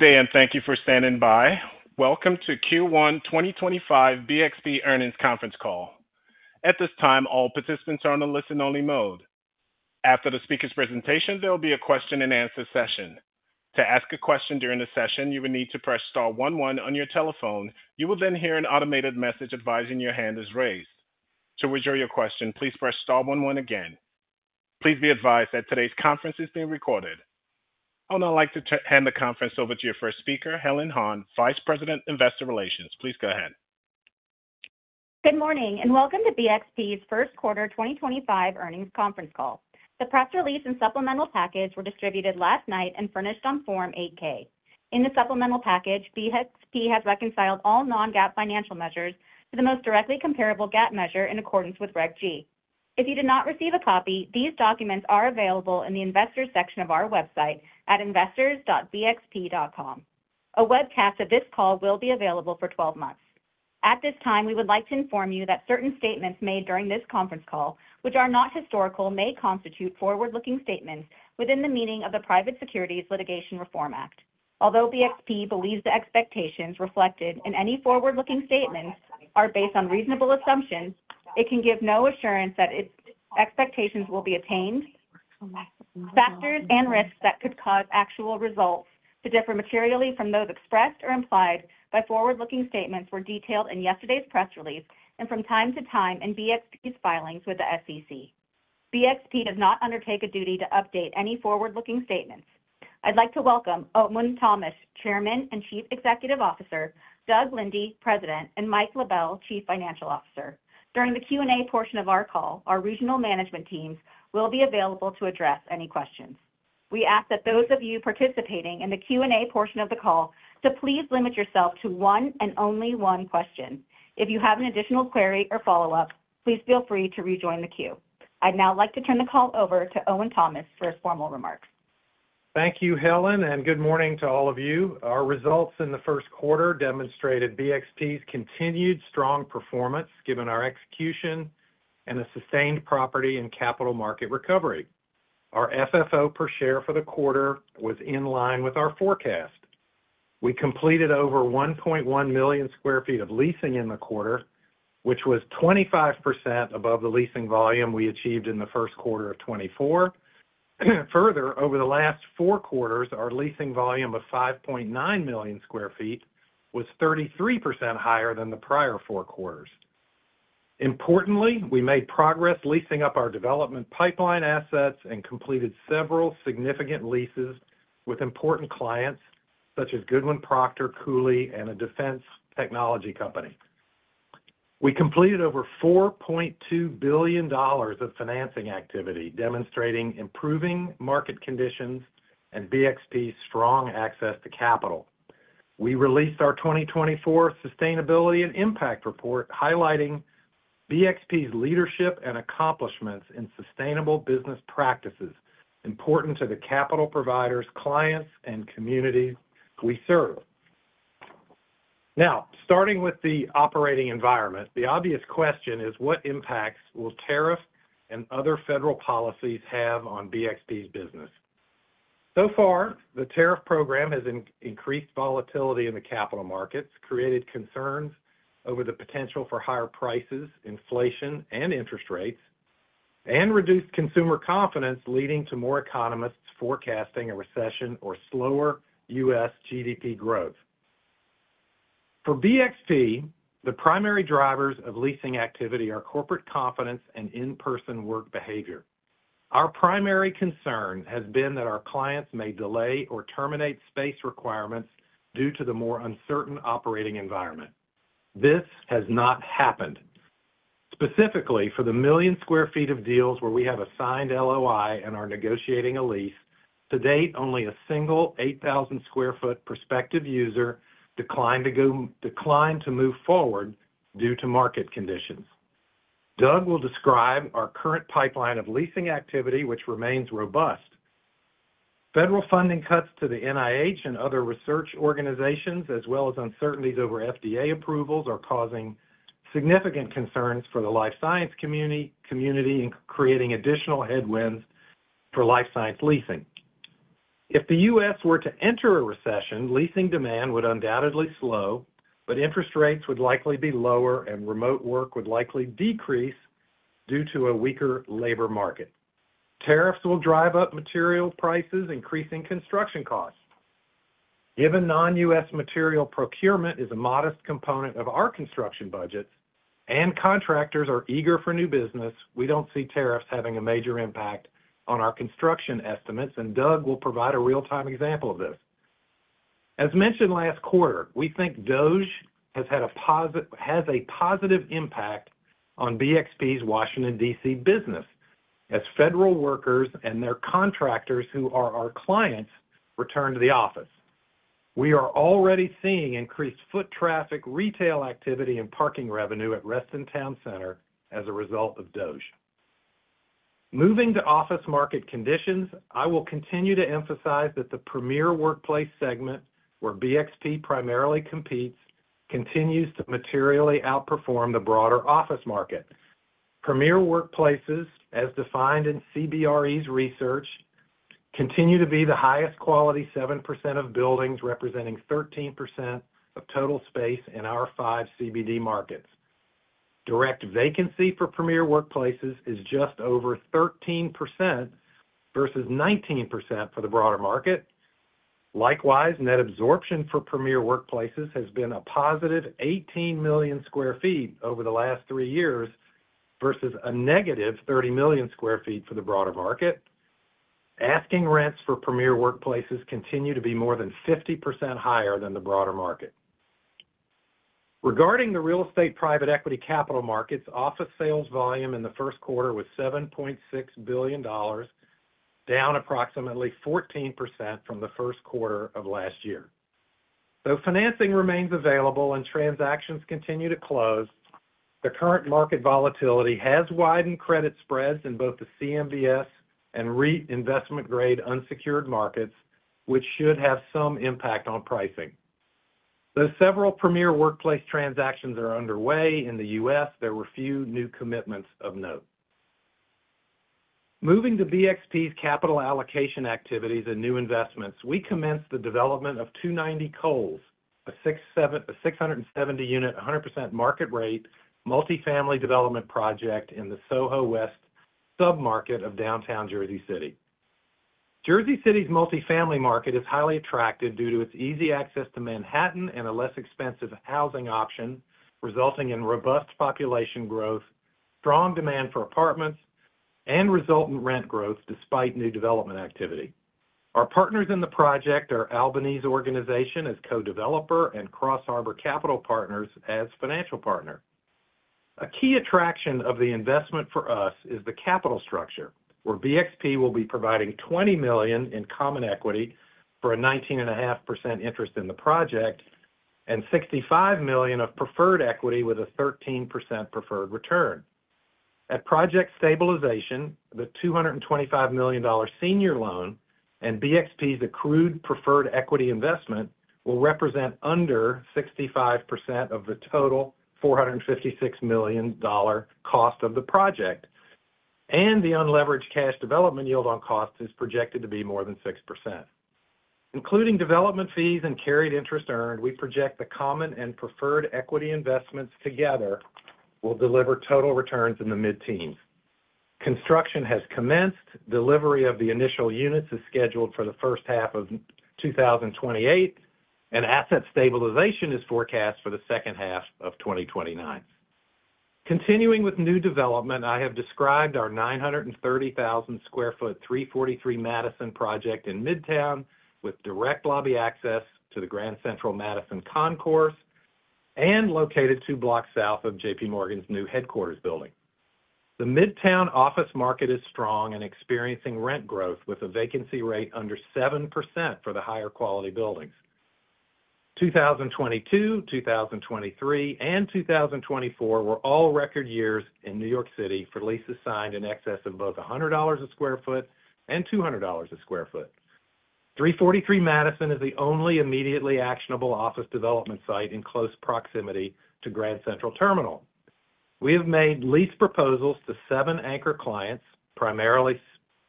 Good day, and thank you for standing by. Welcome to Q1 2025 BXP Earnings Conference Call. At this time, all participants are on a listen-only mode. After the speaker's presentation, there will be a question-and-answer session. To ask a question during the session, you will need to press star 11 on your telephone. You will then hear an automated message advising your hand is raised. To withdraw your question, please press star 11 again. Please be advised that today's conference is being recorded. I would now like to hand the conference over to your first speaker, Helen Han, Vice President, Investor Relations. Please go ahead. Good morning, and welcome to BXP's first quarter 2025 earnings conference call. The press release and supplemental package were distributed last night and furnished on Form 8-K. In the supplemental package, BXP has reconciled all non-GAAP financial measures to the most directly comparable GAAP measure in accordance with Reg G. If you did not receive a copy, these documents are available in the investors' section of our website at investors.bxp.com. A webcast of this call will be available for 12 months. At this time, we would like to inform you that certain statements made during this conference call, which are not historical, may constitute forward-looking statements within the meaning of the Private Securities Litigation Reform Act. Although BXP believes the expectations reflected in any forward-looking statements are based on reasonable assumptions, it can give no assurance that its expectations will be attained. Factors and risks that could cause actual results to differ materially from those expressed or implied by forward-looking statements were detailed in yesterday's press release and from time to time in BXP's filings with the SEC. BXP does not undertake a duty to update any forward-looking statements. I'd like to welcome Owen Thomas, Chairman and Chief Executive Officer; Doug Linde, President; and Mike LaBelle, Chief Financial Officer. During the Q&A portion of our call, our regional management teams will be available to address any questions. We ask that those of you participating in the Q&A portion of the call to please limit yourself to one and only one question. If you have an additional query or follow-up, please feel free to rejoin the queue. I'd now like to turn the call over to Owen Thomas for his formal remarks. Thank you, Helen, and good morning to all of you. Our results in the first quarter demonstrated BXP's continued strong performance given our execution and the sustained property and capital market recovery. Our FFO per share for the quarter was in line with our forecast. We completed over 1.1 million sq ft of leasing in the quarter, which was 25% above the leasing volume we achieved in the first quarter of 2024. Further, over the last four quarters, our leasing volume of 5.9 million sq ft was 33% higher than the prior four quarters. Importantly, we made progress leasing up our development pipeline assets and completed several significant leases with important clients such as Goodwin Procter, Cooley, and a defense technology company. We completed over $4.2 billion of financing activity, demonstrating improving market conditions and BXP's strong access to capital. We released our 2024 Sustainability and Impact Report, highlighting BXP's leadership and accomplishments in sustainable business practices important to the capital providers, clients, and communities we serve. Now, starting with the operating environment, the obvious question is, what impacts will tariffs and other federal policies have on BXP's business? So far, the tariff program has increased volatility in the capital markets, created concerns over the potential for higher prices, inflation, and interest rates, and reduced consumer confidence, leading to more economists forecasting a recession or slower U.S. GDP growth. For BXP, the primary drivers of leasing activity are corporate confidence and in-person work behavior. Our primary concern has been that our clients may delay or terminate space requirements due to the more uncertain operating environment. This has not happened. Specifically, for the million sq ft of deals where we have a signed LOI and are negotiating a lease, to date, only a single 8,000 sq ft prospective user declined to move forward due to market conditions. Doug will describe our current pipeline of leasing activity, which remains robust. Federal funding cuts to the NIH and other research organizations, as well as uncertainties over FDA approvals, are causing significant concerns for the life science community and creating additional headwinds for life science leasing. If the U.S. were to enter a recession, leasing demand would undoubtedly slow, but interest rates would likely be lower and remote work would likely decrease due to a weaker labor market. Tariffs will drive up material prices, increasing construction costs. Given non-U.S. Material procurement is a modest component of our construction budgets and contractors are eager for new business, we do not see tariffs having a major impact on our construction estimates, and Doug will provide a real-time example of this. As mentioned last quarter, we think DOGE has a positive impact on BXP's Washington, D.C. business as federal workers and their contractors who are our clients return to the office. We are already seeing increased foot traffic, retail activity, and parking revenue at Reston Town Center as a result of DOGE. Moving to office market conditions, I will continue to emphasize that the premier workplace segment where BXP primarily competes continues to materially outperform the broader office market. Premier workplaces, as defined in CBRE's research, continue to be the highest quality 7% of buildings, representing 13% of total space in our five CBD markets. Direct vacancy for premier workplaces is just over 13% versus 19% for the broader market. Likewise, net absorption for premier workplaces has been a positive 18 million sq ft over the last three years versus a negative 30 million sq ft for the broader market. Asking rents for premier workplaces continue to be more than 50% higher than the broader market. Regarding the real estate private equity capital markets, office sales volume in the first quarter was $7.6 billion, down approximately 14% from the first quarter of last year. Though financing remains available and transactions continue to close, the current market volatility has widened credit spreads in both the CMBS and REIT investment-grade unsecured markets, which should have some impact on pricing. Though several premier workplace transactions are underway in the U.S., there were few new commitments of note. Moving to BXP's capital allocation activities and new investments, we commenced the development of 290 Coles, a 670-unit 100% market rate multifamily development project in the SoHo West submarket of downtown Jersey City. Jersey City's multifamily market is highly attractive due to its easy access to Manhattan and a less expensive housing option, resulting in robust population growth, strong demand for apartments, and resultant rent growth despite new development activity. Our partners in the project are Albanese Organization as co-developer and Cross Harbor Capital Partners as financial partner. A key attraction of the investment for us is the capital structure, where BXP will be providing $20 million in common equity for a 19.5% interest in the project and $65 million of preferred equity with a 13% preferred return. At project stabilization, the $225 million senior loan and BXP's accrued preferred equity investment will represent under 65% of the total $456 million cost of the project, and the unleveraged cash development yield on cost is projected to be more than 6%. Including development fees and carried interest earned, we project the common and preferred equity investments together will deliver total returns in the mid-teens. Construction has commenced. Delivery of the initial units is scheduled for the first half of 2028, and asset stabilization is forecast for the second half of 2029. Continuing with new development, I have described our 930,000 sq ft 343 Madison project in Midtown with direct lobby access to the Grand Central Madison concourse and located two blocks south of J.P. Morgan's new headquarters building. The Midtown office market is strong and experiencing rent growth with a vacancy rate under 7% for the higher quality buildings. 2022, 2023, and 2024 were all record years in New York City for leases signed in excess of both $100 a sq ft and $200 a sq ft. 343 Madison is the only immediately actionable office development site in close proximity to Grand Central Terminal. We have made lease proposals to seven anchor clients, primarily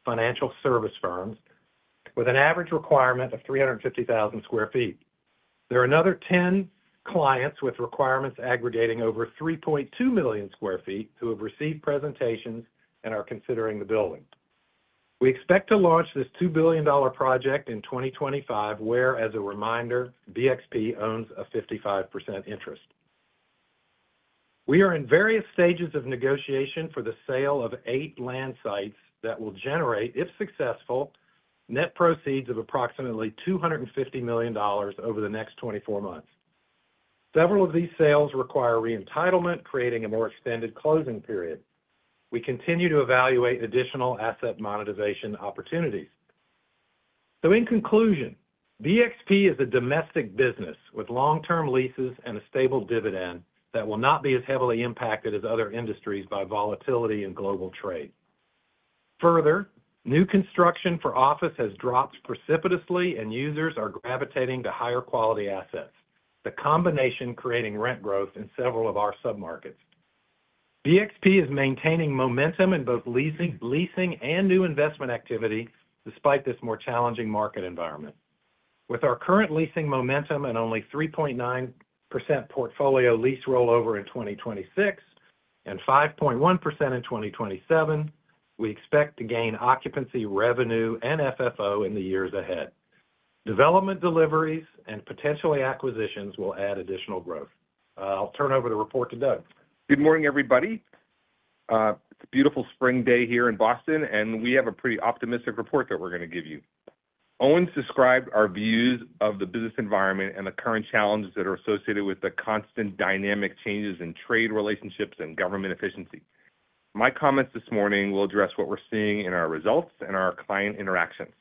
financial service firms, with an average requirement of 350,000 sq ft. There are another 10 clients with requirements aggregating over 3.2 million sq ft who have received presentations and are considering the building. We expect to launch this $2 billion project in 2025, where, as a reminder, BXP owns a 55% interest. We are in various stages of negotiation for the sale of eight land sites that will generate, if successful, net proceeds of approximately $250 million over the next 24 months. Several of these sales require reentitlement, creating a more extended closing period. We continue to evaluate additional asset monetization opportunities. In conclusion, BXP is a domestic business with long-term leases and a stable dividend that will not be as heavily impacted as other industries by volatility in global trade. Further, new construction for office has dropped precipitously, and users are gravitating to higher quality assets, the combination creating rent growth in several of our submarkets. BXP is maintaining momentum in both leasing and new investment activity despite this more challenging market environment. With our current leasing momentum and only 3.9% portfolio lease rollover in 2026 and 5.1% in 2027, we expect to gain occupancy, revenue, and FFO in the years ahead. Development deliveries and potentially acquisitions will add additional growth. I'll turn over the report to Doug. Good morning, everybody. It's a beautiful spring day here in Boston, and we have a pretty optimistic report that we're going to give you. Owen's described our views of the business environment and the current challenges that are associated with the constant dynamic changes in trade relationships and government efficiency. My comments this morning will address what we're seeing in our results and our client interactions.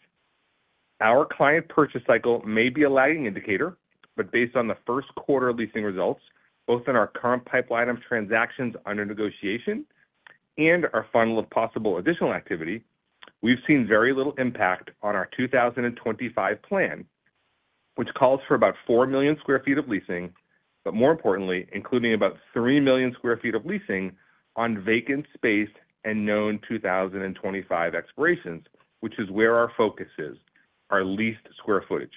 Our client purchase cycle may be a lagging indicator, but based on the first quarter leasing results, both in our current pipeline of transactions under negotiation and our funnel of possible additional activity, we've seen very little impact on our 2025 plan, which calls for about 4 million sq ft of leasing, but more importantly, including about 3 million sq ft of leasing on vacant space and known 2025 expirations, which is where our focus is, our leased square footage.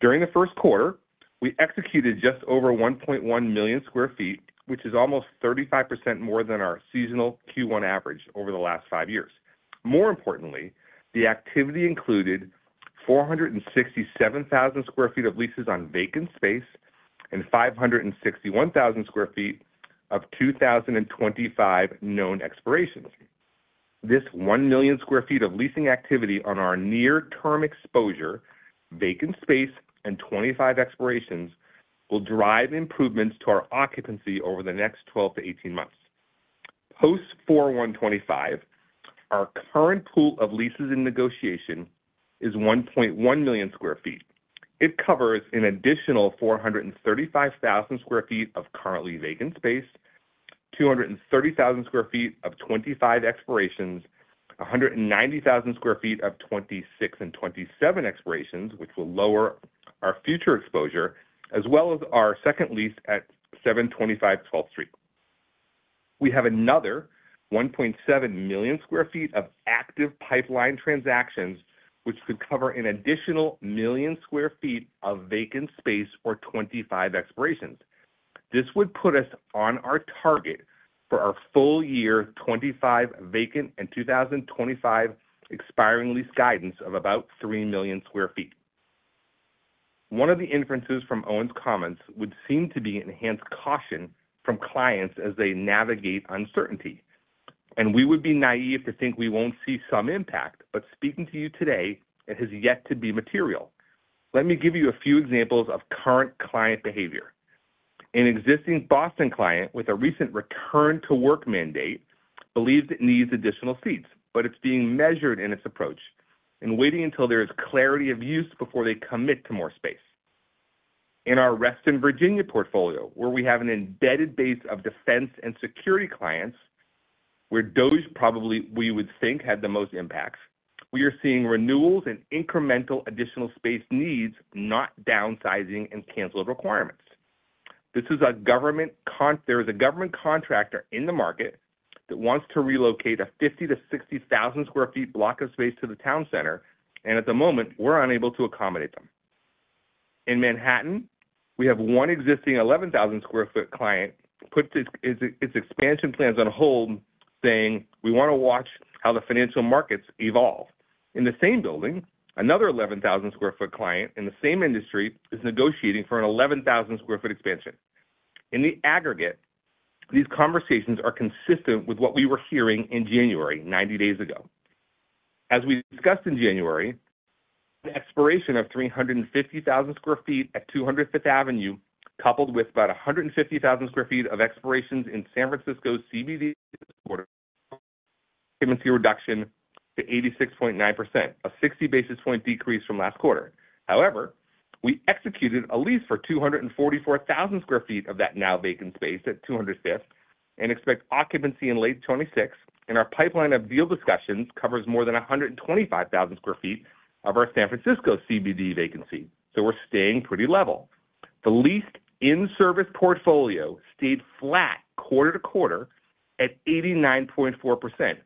During the first quarter, we executed just over 1.1 million sq ft, which is almost 35% more than our seasonal Q1 average over the last five years. More importantly, the activity included 467,000 sq ft of leases on vacant space and 561,000 sq ft of 2025 known expirations. This 1 million sq ft of leasing activity on our near-term exposure, vacant space, and 2025 expirations will drive improvements to our occupancy over the next 12 to 18 months. Post-4/1/2025, our current pool of leases in negotiation is 1.1 million sq ft. It covers an additional 435,000 sq ft of currently vacant space, 230,000 sq ft of 2025 expirations, 190,000 sq ft of 2026 and 2027 expirations, which will lower our future exposure, as well as our second lease at 725 12th Street. We have another 1.7 million sq ft of active pipeline transactions, which could cover an additional 1 million sq ft of vacant space or 25 expirations. This would put us on our target for our full year 2025 vacant and 2025 expiring lease guidance of about 3 million sq ft. One of the inferences from Owen's comments would seem to be enhanced caution from clients as they navigate uncertainty. We would be naive to think we will not see some impact, but speaking to you today, it has yet to be material. Let me give you a few examples of current client behavior. An existing Boston client with a recent return-to-work mandate believes it needs additional seats, but it is being measured in its approach and waiting until there is clarity of use before they commit to more space. In our Reston Virginia portfolio, where we have an embedded base of defense and security clients, where DOGE probably we would think had the most impact, we are seeing renewals and incremental additional space needs, not downsizing and canceled requirements. This is a government contractor in the market that wants to relocate a 50,000-60,000 sq ft block of space to the town center, and at the moment, we're unable to accommodate them. In Manhattan, we have one existing 11,000 sq ft client put its expansion plans on hold, saying, "We want to watch how the financial markets evolve." In the same building, another 11,000 sq ft client in the same industry is negotiating for an 11,000 sq ft expansion. In the aggregate, these conversations are consistent with what we were hearing in January, 90 days ago. As we discussed in January, an expiration of 350,000 sq ft at 200 Fifth Avenue, coupled with about 150,000 sq ft of expirations in San Francisco's CBD, came into reduction to 86.9%, a 60 basis point decrease from last quarter. However, we executed a lease for 244,000 sq ft of that now vacant space at 200 Fifth and expect occupancy in late 2026, and our pipeline of deal discussions covers more than 125,000 sq ft of our San Francisco CBD vacancy. We're staying pretty level. The leased in-service portfolio stayed flat quarter to quarter at 89.4%.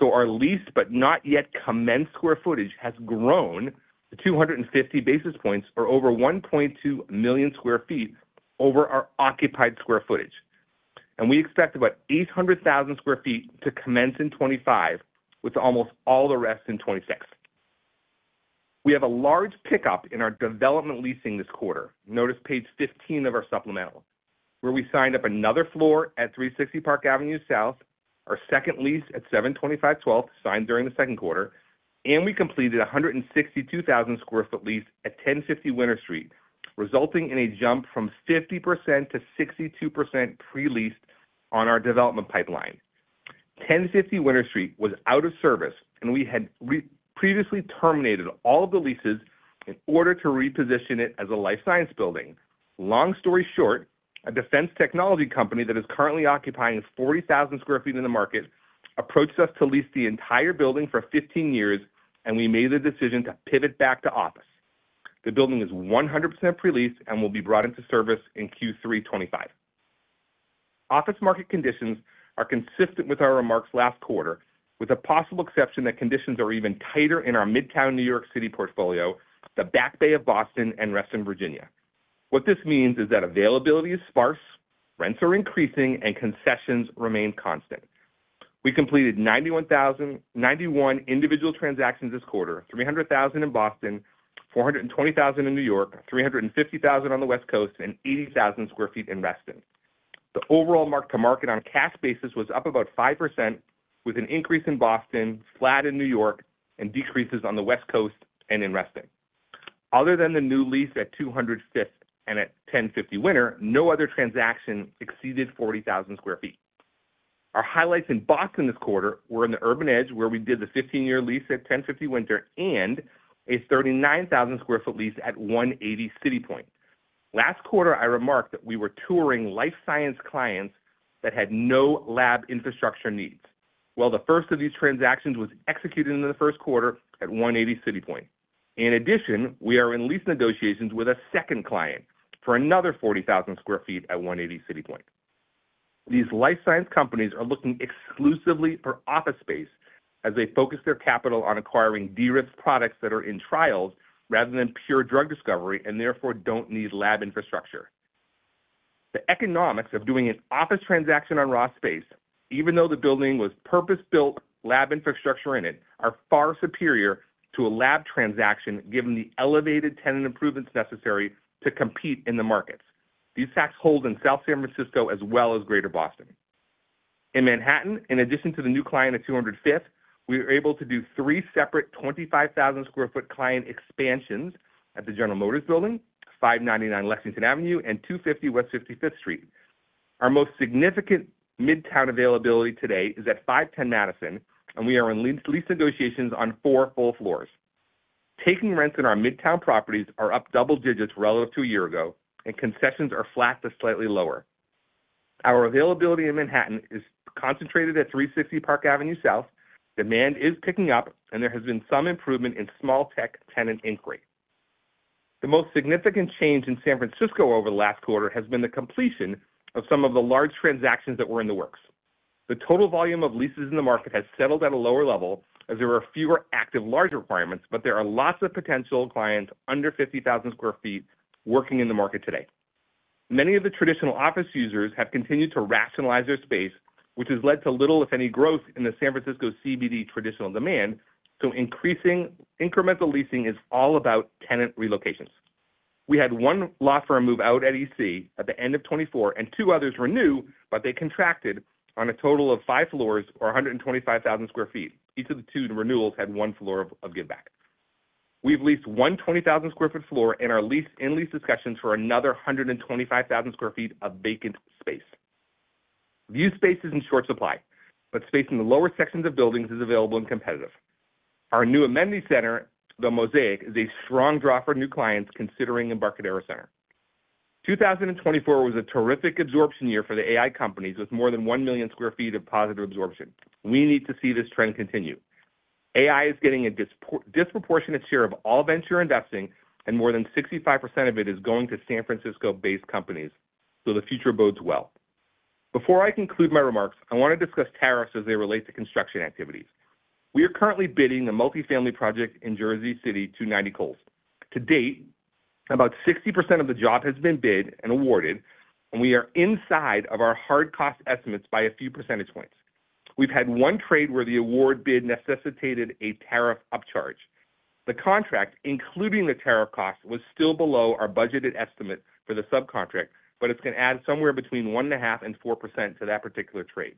Our leased, but not yet commenced square footage has grown to 250 basis points or over 1.2 million sq ft over our occupied square footage. We expect about 800,000 sq ft to commence in 2025, with almost all the rest in 2026. We have a large pickup in our development leasing this quarter. Notice page 15 of our supplemental, where we signed up another floor at 360 Park Avenue South, our second lease at 725 12th, signed during the second quarter, and we completed a 162,000 sq ft lease at 1050 Winter Street, resulting in a jump from 50% to 62% pre-leased on our development pipeline. 1050 Winter Street was out of service, and we had previously terminated all of the leases in order to reposition it as a life science building. Long story short, a defense technology company that is currently occupying 40,000 sq ft in the market approached us to lease the entire building for 15 years, and we made the decision to pivot back to office. The building is 100% pre-leased and will be brought into service in Q3 2025. Office market conditions are consistent with our remarks last quarter, with a possible exception that conditions are even tighter in our Midtown New York portfolio, the Back Bay of Boston, and Reston Virginia. What this means is that availability is sparse, rents are increasing, and concessions remain constant. We completed 91,000 individual transactions this quarter, 300,000 in Boston, 420,000 in New York, 350,000 on the West Coast, and 80,000 sq ft in Reston. The overall mark-to-market on cash basis was up about 5%, with an increase in Boston, flat in New York, and decreases on the West Coast and in Reston. Other than the new lease at 200 Fifth and at 1050 Winter, no other transaction exceeded 40,000 sq ft. Our highlights in Boston this quarter were in the Urban Edge, where we did the 15-year lease at 1050 Winter and a 39,000 sq ft lease at 180 City Point. Last quarter, I remarked that we were touring life science clients that had no lab infrastructure needs. The first of these transactions was executed in the first quarter at 180 City Point. In addition, we are in lease negotiations with a second client for another 40,000 sq ft at 180 City Point. These life science companies are looking exclusively for office space as they focus their capital on acquiring DRIF products that are in trials rather than pure drug discovery and therefore do not need lab infrastructure. The economics of doing an office transaction on raw space, even though the building was purpose-built lab infrastructure in it, are far superior to a lab transaction given the elevated tenant improvements necessary to compete in the markets. These facts hold in South San Francisco as well as Greater Boston. In Manhattan, in addition to the new client at 200 Fifth, we were able to do three separate 25,000 sq ft client expansions at the General Motors building, 599 Lexington Avenue, and 250 West 55th Street. Our most significant Midtown availability today is at 510 Madison, and we are in lease negotiations on four full floors. Taking rents in our Midtown properties are up double digits relative to a year ago, and concessions are flat to slightly lower. Our availability in Manhattan is concentrated at 360 Park Avenue South. Demand is picking up, and there has been some improvement in small tech tenant inquiry. The most significant change in San Francisco over the last quarter has been the completion of some of the large transactions that were in the works. The total volume of leases in the market has settled at a lower level as there are fewer active large requirements, but there are lots of potential clients under 50,000 sq ft working in the market today. Many of the traditional office users have continued to rationalize their space, which has led to little, if any, growth in the San Francisco CBD traditional demand. Increasing incremental leasing is all about tenant relocations. We had one law firm move out at Embarcadero Center at the end of 2024, and two others renew, but they contracted on a total of five floors or 125,000 sq ft. Each of the two renewals had one floor of give back. We've leased one 20,000 sq ft floor and are in lease discussions for another 125,000 sq ft of vacant space. View space is in short supply, but space in the lower sections of buildings is available and competitive. Our new amenity center, The Mosaic, is a strong draw for new clients considering Embarcadero Center. 2024 was a terrific absorption year for the AI companies with more than 1 million sq ft of positive absorption. We need to see this trend continue. AI is getting a disproportionate share of all venture investing, and more than 65% of it is going to San Francisco-based companies. The future bodes well. Before I conclude my remarks, I want to discuss tariffs as they relate to construction activities. We are currently bidding a multifamily project in Jersey City, 290 Coles. To date, about 60% of the job has been bid and awarded, and we are inside of our hard cost estimates by a few percentage points. We've had one trade where the award bid necessitated a tariff upcharge. The contract, including the tariff cost, was still below our budgeted estimate for the subcontract, but it's going to add somewhere between 1.5%-4% to that particular trade.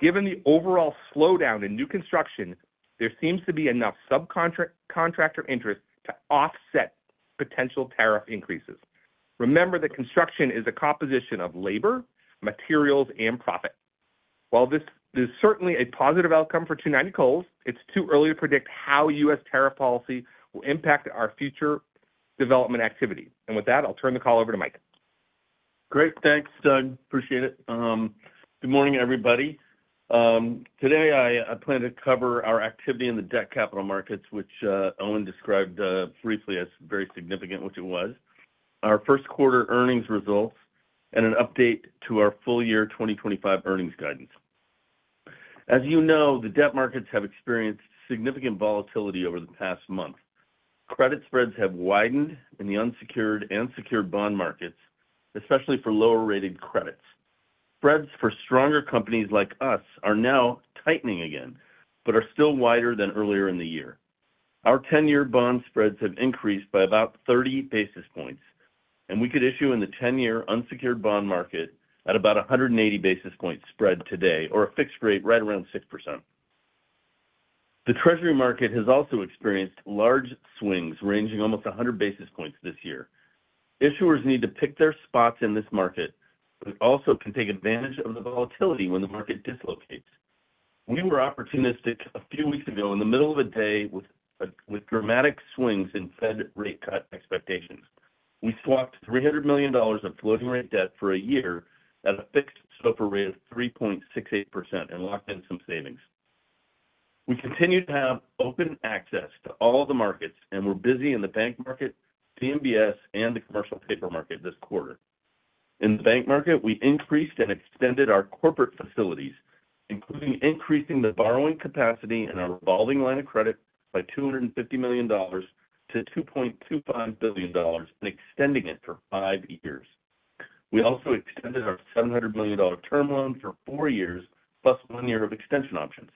Given the overall slowdown in new construction, there seems to be enough subcontractor interest to offset potential tariff increases. Remember that construction is a composition of labor, materials, and profit. While this is certainly a positive outcome for 290 Coles, it's too early to predict how U.S. tariff policy will impact our future development activity. With that, I'll turn the call over to Mike. Great. Thanks, Doug. Appreciate it. Good morning, everybody. Today, I plan to cover our activity in the debt capital markets, which Owen described briefly as very significant, which it was, our first quarter earnings results, and an update to our full year 2025 earnings guidance. As you know, the debt markets have experienced significant volatility over the past month. Credit spreads have widened in the unsecured and secured bond markets, especially for lower-rated credits. Spreads for stronger companies like us are now tightening again, but are still wider than earlier in the year. Our 10-year bond spreads have increased by about 30 basis points, and we could issue in the 10-year unsecured bond market at about 180 basis points spread today, or a fixed rate right around 6%. The Treasury market has also experienced large swings ranging almost 100 basis points this year. Issuers need to pick their spots in this market, but also can take advantage of the volatility when the market dislocates. We were opportunistic a few weeks ago in the middle of a day with dramatic swings in Fed rate cut expectations. We swapped $300 million of floating rate debt for a year at a fixed SOFR rate of 3.68% and locked in some savings. We continue to have open access to all the markets, and we're busy in the bank market, CMBS, and the commercial paper market this quarter. In the bank market, we increased and extended our corporate facilities, including increasing the borrowing capacity and our revolving line of credit by $250 million to $2.25 billion and extending it for five years. We also extended our $700 million term loan for four years, plus one year of extension options.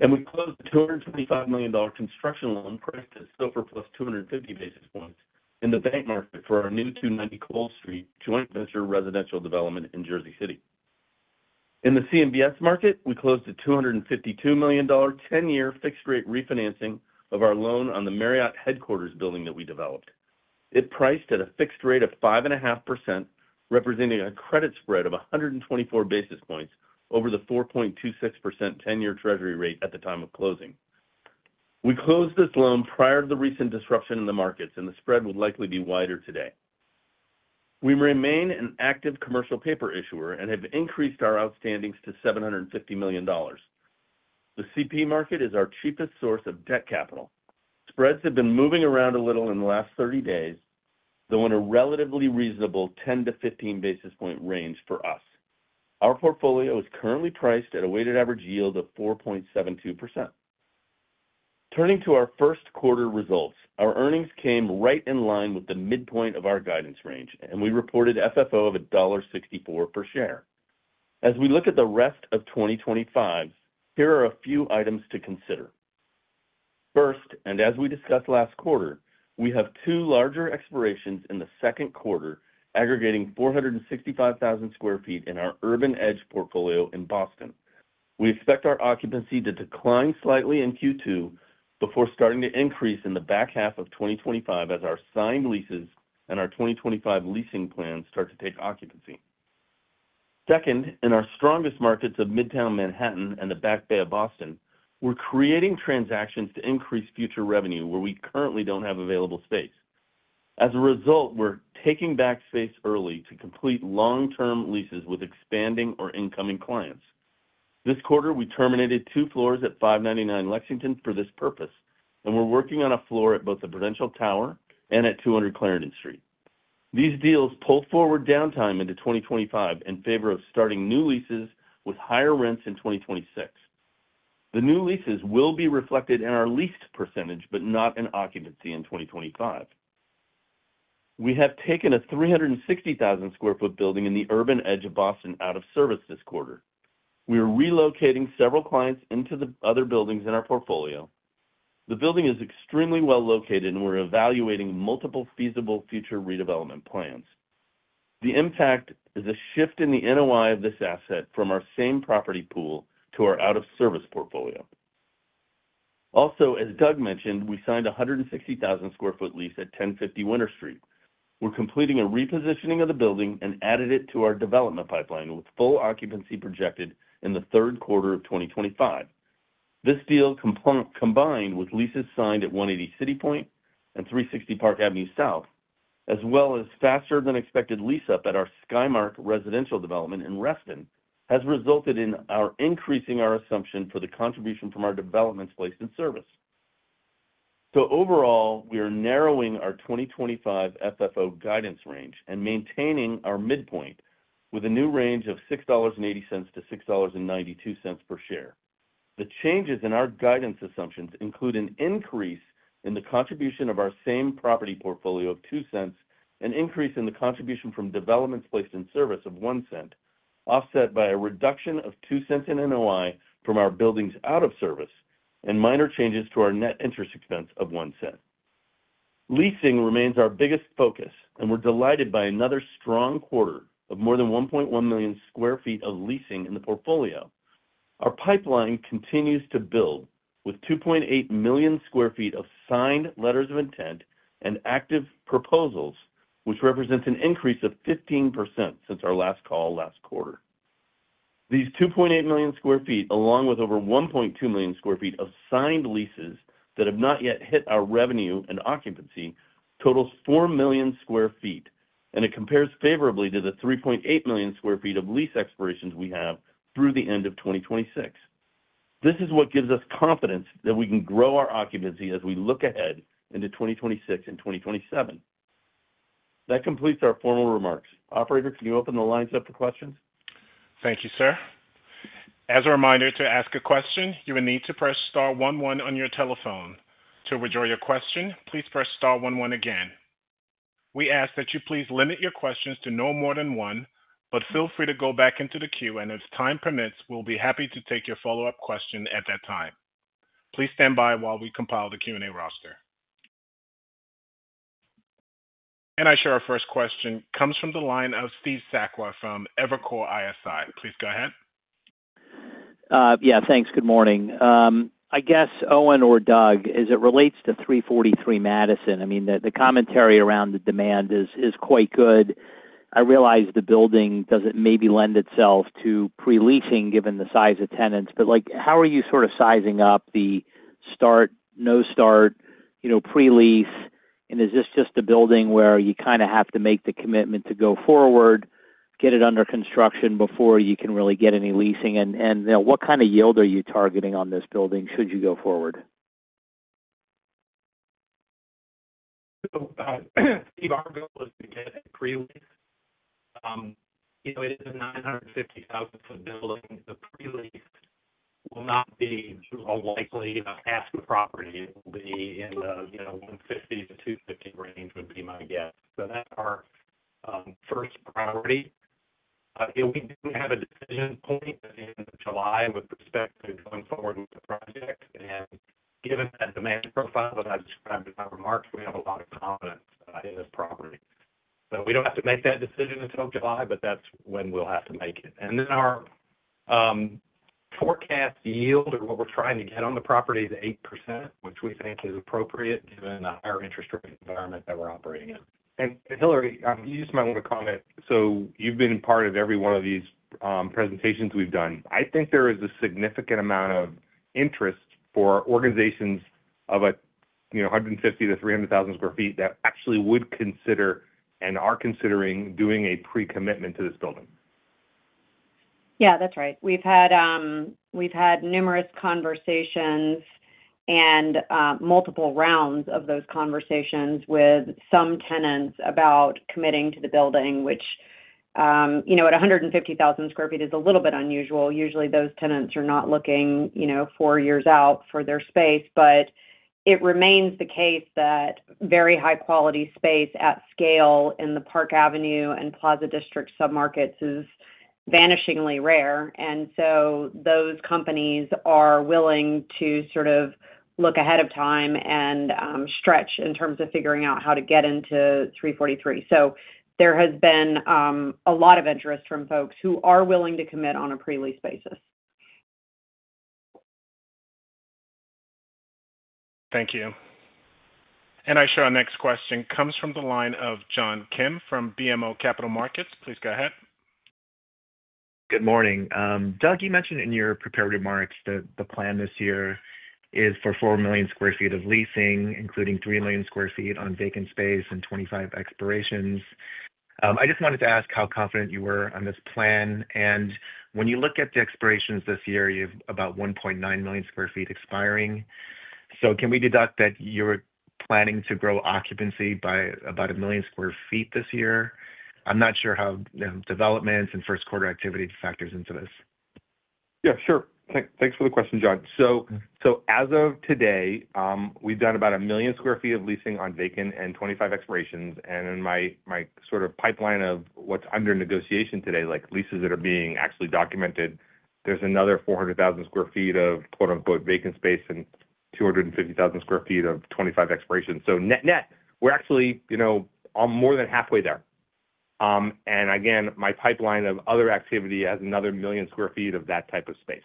We closed the $225 million construction loan priced at SOFR plus 250 basis points in the bank market for our new 290 Coles Street joint venture residential development in Jersey City. In the CMBS market, we closed the $252 million 10-year fixed-rate refinancing of our loan on the Marriott headquarters building that we developed. It priced at a fixed rate of 5.5%, representing a credit spread of 124 basis points over the 4.26% 10-year Treasury rate at the time of closing. We closed this loan prior to the recent disruption in the markets, and the spread would likely be wider today. We remain an active commercial paper issuer and have increased our outstandings to $750 million. The CP market is our cheapest source of debt capital. Spreads have been moving around a little in the last 30 days, though in a relatively reasonable 10-15 basis point range for us. Our portfolio is currently priced at a weighted average yield of 4.72%. Turning to our first quarter results, our earnings came right in line with the midpoint of our guidance range, and we reported FFO of $1.64 per share. As we look at the rest of 2025, here are a few items to consider. First, and as we discussed last quarter, we have two larger expirations in the second quarter aggregating 465,000 sq ft in our Urban Edge portfolio in Boston. We expect our occupancy to decline slightly in Q2 before starting to increase in the back half of 2025 as our signed leases and our 2025 leasing plans start to take occupancy. Second, in our strongest markets of Midtown Manhattan and the Back Bay of Boston, we're creating transactions to increase future revenue where we currently don't have available space. As a result, we're taking back space early to complete long-term leases with expanding or incoming clients. This quarter, we terminated two floors at 599 Lexington for this purpose, and we're working on a floor at both the Prudential Tower and at 200 Clarendon Street. These deals pull forward downtime into 2025 in favor of starting new leases with higher rents in 2026. The new leases will be reflected in our leased percentage, but not in occupancy in 2025. We have taken a 360,000 sq ft building in the Urban Edge of Boston out of service this quarter. We are relocating several clients into the other buildings in our portfolio. The building is extremely well located, and we're evaluating multiple feasible future redevelopment plans. The impact is a shift in the NOI of this asset from our same property pool to our out-of-service portfolio. Also, as Doug mentioned, we signed a 160,000 sq ft lease at 1050 Winter Street. We're completing a repositioning of the building and added it to our development pipeline with full occupancy projected in the third quarter of 2025. This deal, combined with leases signed at 180 City Point and 360 Park Avenue South, as well as faster-than-expected lease-up at our Skymark Residential Development in Reston, has resulted in our increasing our assumption for the contribution from our developments placed in service. Overall, we are narrowing our 2025 FFO guidance range and maintaining our midpoint with a new range of $6.80-$6.92 per share. The changes in our guidance assumptions include an increase in the contribution of our same property portfolio of 2 cents, an increase in the contribution from developments placed in service of 1 cent, offset by a reduction of 2 cents in NOI from our buildings out of service, and minor changes to our net interest expense of 1 cent. Leasing remains our biggest focus, and we're delighted by another strong quarter of more than 1.1 million sq ft of leasing in the portfolio. Our pipeline continues to build with 2.8 million sq ft of signed letters of intent and active proposals, which represents an increase of 15% since our last call last quarter. These 2.8 million sq ft, along with over 1.2 million sq ft of signed leases that have not yet hit our revenue and occupancy, totals 4 million sq ft, and it compares favorably to the 3.8 million sq ft of lease expirations we have through the end of 2026. This is what gives us confidence that we can grow our occupancy as we look ahead into 2026 and 2027. That completes our formal remarks. Operator, can you open the lines up for questions? Thank you, sir. As a reminder to ask a question, you will need to press star 11 on your telephone. To withdraw your question, please press star 11 again. We ask that you please limit your questions to no more than one, but feel free to go back into the queue, and if time permits, we'll be happy to take your follow-up question at that time. Please stand by while we compile the Q&A roster. I share our first question comes from the line of Steve Sakwa from Evercore ISI. Please go ahead. Yeah, thanks. Good morning. I guess, Owen or Doug, as it relates to 343 Madison, I mean, the commentary around the demand is quite good. I realize the building doesn't maybe lend itself to pre-leasing given the size of tenants, but how are you sort of sizing up the start, no start, pre-lease? Is this just a building where you kind of have to make the commitment to go forward, get it under construction before you can really get any leasing? What kind of yield are you targeting on this building should you go forward? Steve, our goal is to get it pre-leased. It is a 950,000 sq ft building. The pre-lease will not be a likely asked property. It will be in the 150,000-250,000 sq ft range would be my guess. That is our first priority. We do have a decision point in July with respect to going forward with the project. Given that demand profile that I described in our remarks, we have a lot of confidence in this property. We do not have to make that decision until July, but that is when we will have to make it. Our forecast yield or what we are trying to get on the property is 8%, which we think is appropriate given the higher interest rate environment that we are operating in. Hillary, you just might want to comment. You have been part of every one of these presentations we have done. I think there is a significant amount of interest for organizations of 150-300,000 sq ft that actually would consider and are considering doing a pre-commitment to this building. Yeah, that's right. We've had numerous conversations and multiple rounds of those conversations with some tenants about committing to the building, which at 150,000 sq ft is a little bit unusual. Usually, those tenants are not looking four years out for their space, but it remains the case that very high-quality space at scale in the Park Avenue and Plaza District submarkets is vanishingly rare. Those companies are willing to sort of look ahead of time and stretch in terms of figuring out how to get into 343. There has been a lot of interest from folks who are willing to commit on a pre-lease basis. Thank you. I share our next question comes from the line of John Kim from BMO Capital Markets. Please go ahead. Good morning. Doug, you mentioned in your prepared remarks that the plan this year is for 4 million sq ft of leasing, including 3 million sq ft on vacant space and 25 expirations. I just wanted to ask how confident you were on this plan. When you look at the expirations this year, you have about 1.9 million sq ft expiring. Can we deduct that you're planning to grow occupancy by about 1 million sq ft this year? I'm not sure how developments and first quarter activity factors into this. Yeah, sure. Thanks for the question, John. As of today, we've done about 1 million sq ft of leasing on vacant and 25 expirations. In my sort of pipeline of what's under negotiation today, like leases that are being actually documented, there's another 400,000 sq ft of "vacant space" and 250,000 sq ft of 25 expirations. Net, we're actually more than halfway there. Again, my pipeline of other activity has another 1 million sq ft of that type of space.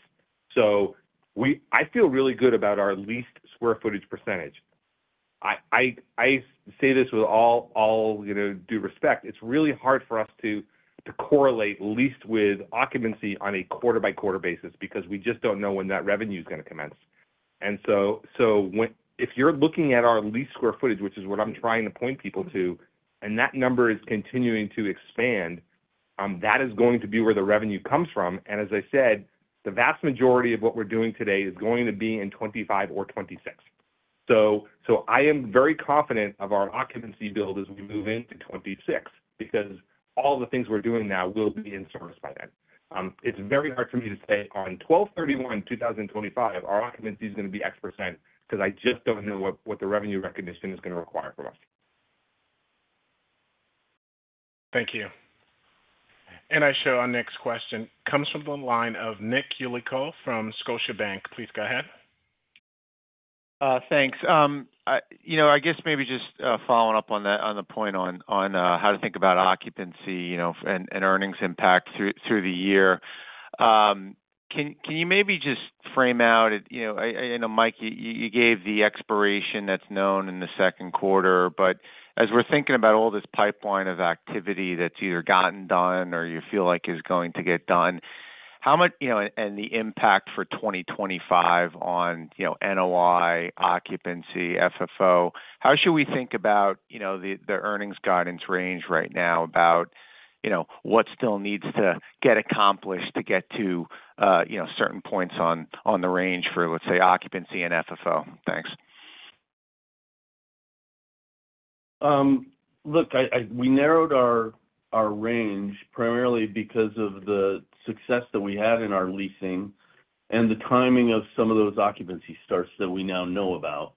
I feel really good about our leased square footage percentage. I say this with all due respect. It's really hard for us to correlate lease with occupancy on a quarter-by-quarter basis because we just don't know when that revenue is going to commence. If you're looking at our leased square footage, which is what I'm trying to point people to, and that number is continuing to expand, that is going to be where the revenue comes from. As I said, the vast majority of what we're doing today is going to be in 2025 or 2026. I am very confident of our occupancy build as we move into 2026 because all the things we're doing now will be in service by then. It's very hard for me to say on December 31, 2025, our occupancy is going to be X percent because I just don't know what the revenue recognition is going to require from us. Thank you. I share our next question comes from the line of Nick Yulico from Scotiabank. Please go ahead. Thanks. I guess maybe just following up on the point on how to think about occupancy and earnings impact through the year. Can you maybe just frame out it? I know, Mike, you gave the expiration that's known in the second quarter, but as we're thinking about all this pipeline of activity that's either gotten done or you feel like is going to get done, and the impact for 2025 on NOI, occupancy, FFO, how should we think about the earnings guidance range right now about what still needs to get accomplished to get to certain points on the range for, let's say, occupancy and FFO? Thanks. Look, we narrowed our range primarily because of the success that we had in our leasing and the timing of some of those occupancy starts that we now know about.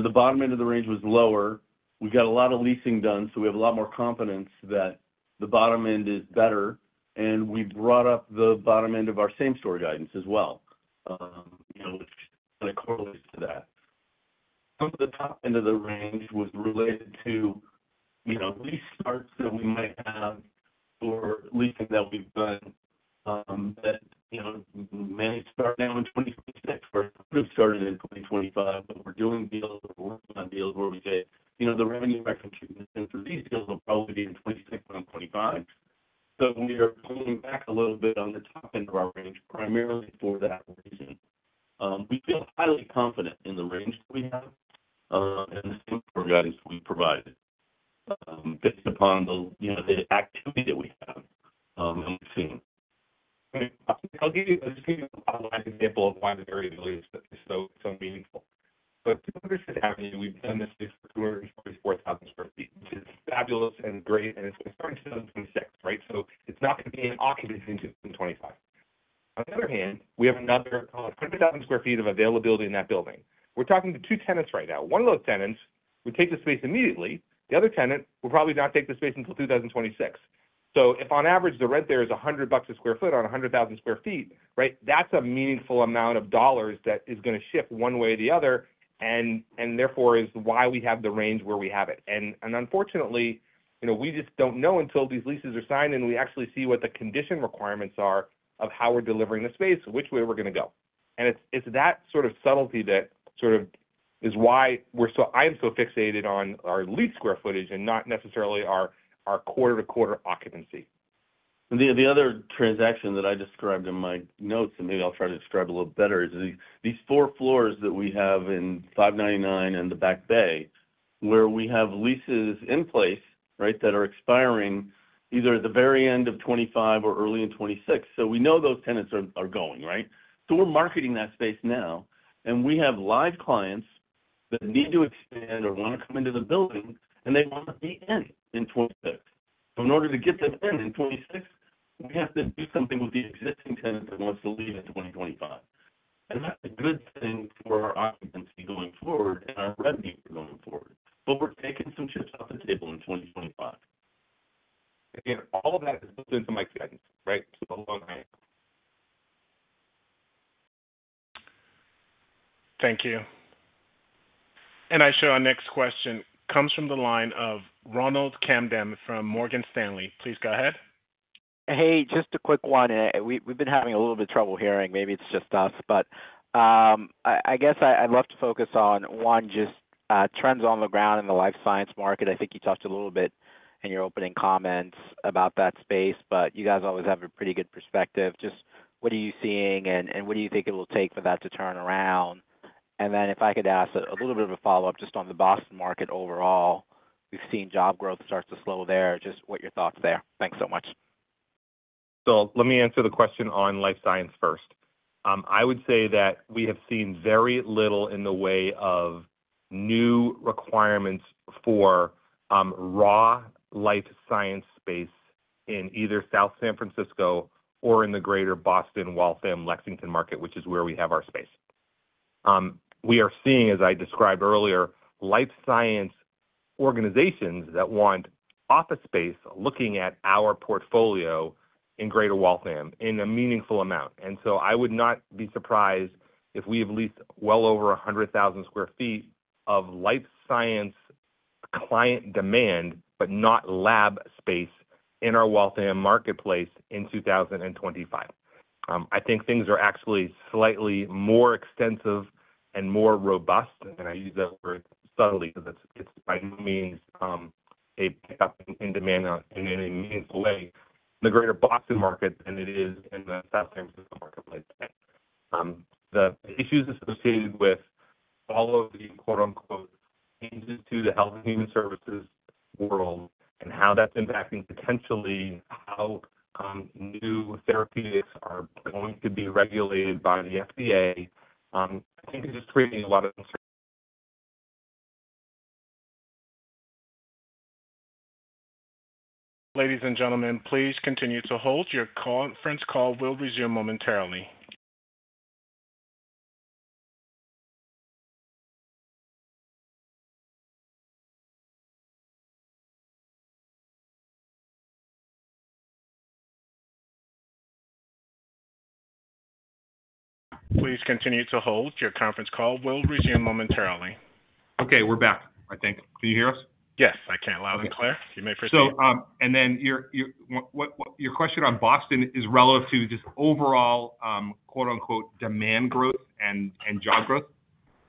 The bottom end of the range was lower. We have got a lot of leasing done, so we have a lot more confidence that the bottom end is better. We brought up the bottom end of our same-store guidance as well, which kind of correlates to that. Some of the top end of the range was related to lease starts that we might have for leasing that we have done that may start now in 2026 or could have started in 2025, but we are doing deals on deals where we say the revenue recognition for these deals will probably be in 2026 or 2025. We are pulling back a little bit on the top end of our range primarily for that reason. We feel highly confident in the range that we have and the same-store guidance we provide based upon the activity that we have and we've seen. I'll just give you a bottle of example of why the variability is so meaningful. 200 Avenue, we've done this for 244,000 sq ft, which is fabulous and great, and it's going to start in 2026, right? It's not going to be in occupancy until 2025. On the other hand, we have another 100,000 sq ft of availability in that building. We're talking to two tenants right now. One of those tenants would take the space immediately. The other tenant will probably not take the space until 2026. If on average the rent there is $100 a sq ft on 100,000 sq ft, right, that's a meaningful amount of dollars that is going to shift one way or the other, and therefore is why we have the range where we have it. Unfortunately, we just do not know until these leases are signed and we actually see what the condition requirements are of how we are delivering the space, which way we are going to go. It is that sort of subtlety that sort of is why I am so fixated on our lease sq ft and not necessarily our quarter-to-quarter occupancy. The other transaction that I described in my notes, and maybe I'll try to describe a little better, is these four floors that we have in 599 in the Back Bay, where we have leases in place, right, that are expiring either at the very end of 2025 or early in 2026. We know those tenants are going, right? We are marketing that space now, and we have live clients that need to expand or want to come into the building, and they want to be in in 2026. In order to get them in in 2026, we have to do something with the existing tenant that wants to leave in 2025. That is a good thing for our occupancy going forward and our revenue going forward. We are taking some chips off the table in 2025. Again, all of that is built into Mike's guidance, right? Hold on there. Thank you. I share our next question comes from the line of Ronald Kamden from Morgan Stanley. Please go ahead. Hey, just a quick one. We've been having a little bit of trouble hearing. Maybe it's just us, but I guess I'd love to focus on one, just trends on the ground in the life science market. I think you talked a little bit in your opening comments about that space, but you guys always have a pretty good perspective. Just what are you seeing, and what do you think it will take for that to turn around? If I could ask a little bit of a follow-up just on the Boston market overall, we've seen job growth start to slow there. Just what are your thoughts there? Thanks so much. Let me answer the question on life science first. I would say that we have seen very little in the way of new requirements for raw life science space in either South San Francisco or in the greater Boston, Waltham, Lexington market, which is where we have our space. We are seeing, as I described earlier, life science organizations that want office space looking at our portfolio in greater Waltham in a meaningful amount. I would not be surprised if we have leased well over 100,000 sq ft of life science client demand, but not lab space in our Waltham marketplace in 2025. I think things are actually slightly more extensive and more robust, and I use that word subtly because it means a pickup in demand in a meaningful way in the greater Boston market than it is in the South San Francisco marketplace. The issues associated with all of the "changes to the health and human services world" and how that's impacting potentially how new therapeutics are going to be regulated by the FDA, I think it's just creating a lot of. Ladies and gentlemen, please continue to hold. Your conference call will resume momentarily. Please continue to hold. Your conference call will resume momentarily. Okay, we're back, I think. Can you hear us? Yes. I can loud and clear. You may proceed. Your question on Boston is relative to just overall "demand growth" and job growth.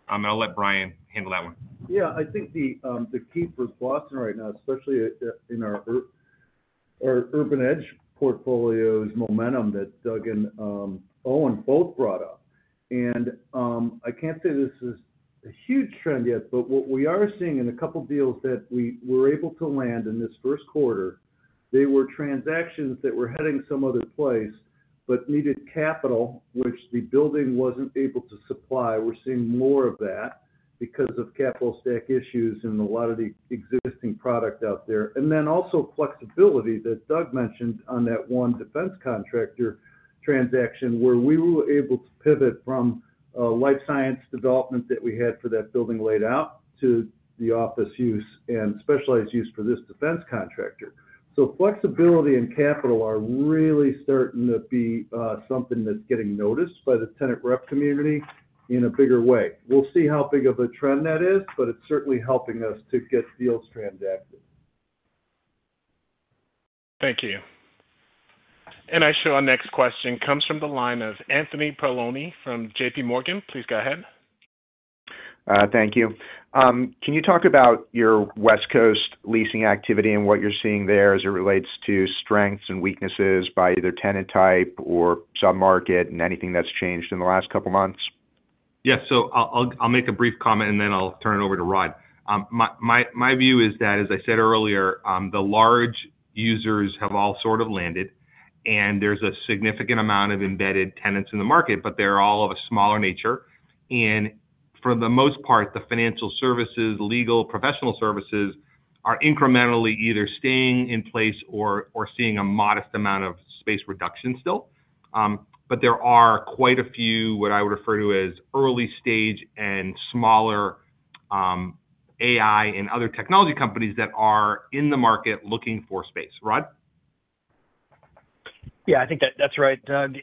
I'll let Bryan handle that one. Yeah, I think the key for Boston right now, especially in our urban edge portfolio, is momentum that Doug and Owen both brought up. I can't say this is a huge trend yet, but what we are seeing in a couple of deals that we were able to land in this first quarter, they were transactions that were heading some other place but needed capital, which the building wasn't able to supply. We're seeing more of that because of capital stack issues and a lot of the existing product out there. Also, flexibility that Doug mentioned on that one defense contractor transaction where we were able to pivot from life science development that we had for that building laid out to the office use and specialized use for this defense contractor. Flexibility and capital are really starting to be something that's getting noticed by the tenant rep community in a bigger way. We'll see how big of a trend that is, but it's certainly helping us to get deals transacted. Thank you. I share our next question comes from the line of Anthony Paolone from J.P. Morgan. Please go ahead. Thank you. Can you talk about your West Coast leasing activity and what you're seeing there as it relates to strengths and weaknesses by either tenant type or submarket and anything that's changed in the last couple of months? Yes. I'll make a brief comment, and then I'll turn it over to Rod. My view is that, as I said earlier, the large users have all sort of landed, and there's a significant amount of embedded tenants in the market, but they're all of a smaller nature. For the most part, the financial services, legal, professional services are incrementally either staying in place or seeing a modest amount of space reduction still. There are quite a few what I would refer to as early stage and smaller AI and other technology companies that are in the market looking for space. Rod? Yeah, I think that's right, Doug.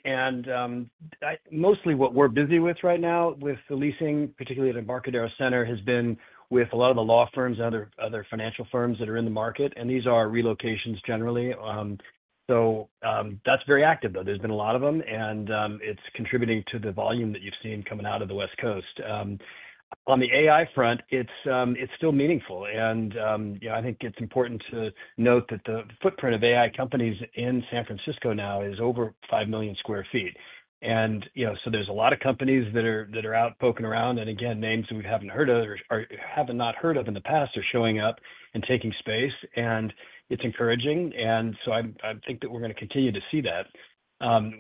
Mostly what we're busy with right now with the leasing, particularly at Embarcadero Center, has been with a lot of the law firms and other financial firms that are in the market. These are relocations generally. That is very active, though. There have been a lot of them, and it's contributing to the volume that you've seen coming out of the West Coast. On the AI front, it's still meaningful. I think it's important to note that the footprint of AI companies in San Francisco now is over 5 million sq ft. There are a lot of companies that are out poking around. Names we haven't heard of or have not heard of in the past are showing up and taking space. It's encouraging. I think that we're going to continue to see that.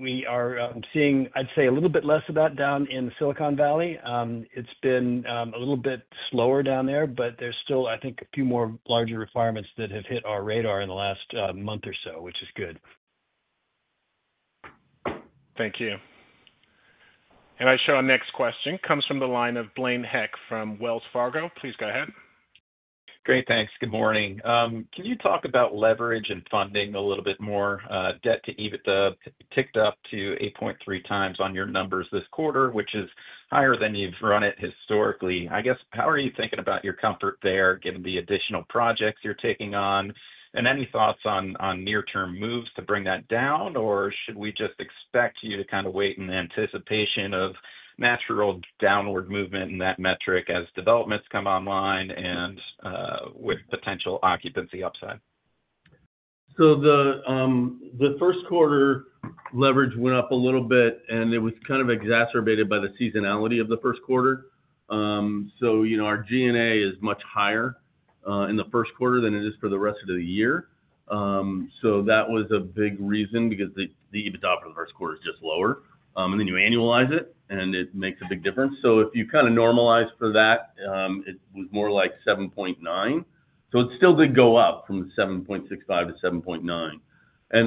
We are seeing, I'd say, a little bit less of that down in Silicon Valley. It's been a little bit slower down there, but there's still, I think, a few more larger requirements that have hit our radar in the last month or so, which is good. Thank you. I share our next question comes from the line of Blaine Heck from Wells Fargo. Please go ahead. Great. Thanks. Good morning. Can you talk about leverage and funding a little bit more? Debt to EBITDA ticked up to 8.3 times on your numbers this quarter, which is higher than you've run it historically. I guess, how are you thinking about your comfort there given the additional projects you're taking on? Any thoughts on near-term moves to bring that down, or should we just expect you to kind of wait in anticipation of natural downward movement in that metric as developments come online and with potential occupancy upside? The first quarter leverage went up a little bit, and it was kind of exacerbated by the seasonality of the first quarter. Our G&A is much higher in the first quarter than it is for the rest of the year. That was a big reason because the EBITDA for the first quarter is just lower. Then you annualize it, and it makes a big difference. If you kind of normalize for that, it was more like 7.9. It still did go up from 7.65 to 7.9.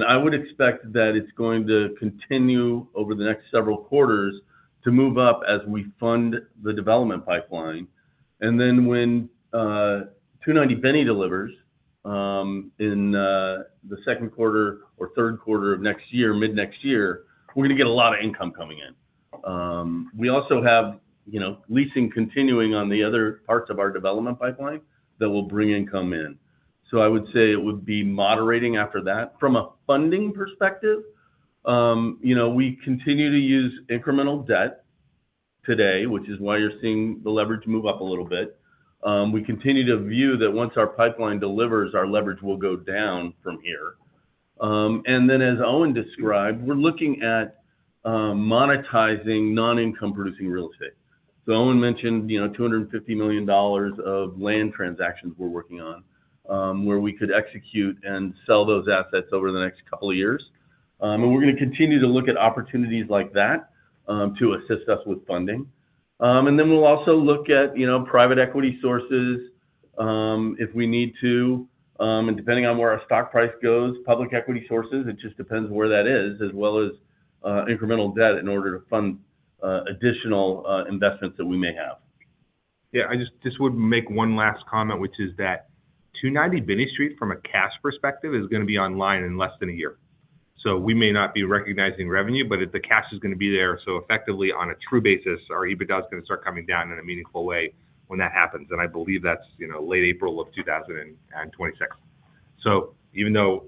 I would expect that it is going to continue over the next several quarters to move up as we fund the development pipeline. When 290 Coles delivers in the second quarter or third quarter of next year, mid-next year, we are going to get a lot of income coming in. We also have leasing continuing on the other parts of our development pipeline that will bring income in. I would say it would be moderating after that. From a funding perspective, we continue to use incremental debt today, which is why you're seeing the leverage move up a little bit. We continue to view that once our pipeline delivers, our leverage will go down from here. As Owen described, we're looking at monetizing non-income-producing real estate. Owen mentioned $250 million of land transactions we're working on where we could execute and sell those assets over the next couple of years. We're going to continue to look at opportunities like that to assist us with funding. We'll also look at private equity sources if we need to. Depending on where our stock price goes, public equity sources, it just depends where that is, as well as incremental debt in order to fund additional investments that we may have. Yeah, I just would make one last comment, which is that 290 Benny Street from a cash perspective is going to be online in less than a year. We may not be recognizing revenue, but the cash is going to be there. Effectively, on a true basis, our EBITDA is going to start coming down in a meaningful way when that happens. I believe that's late April of 2026. Even though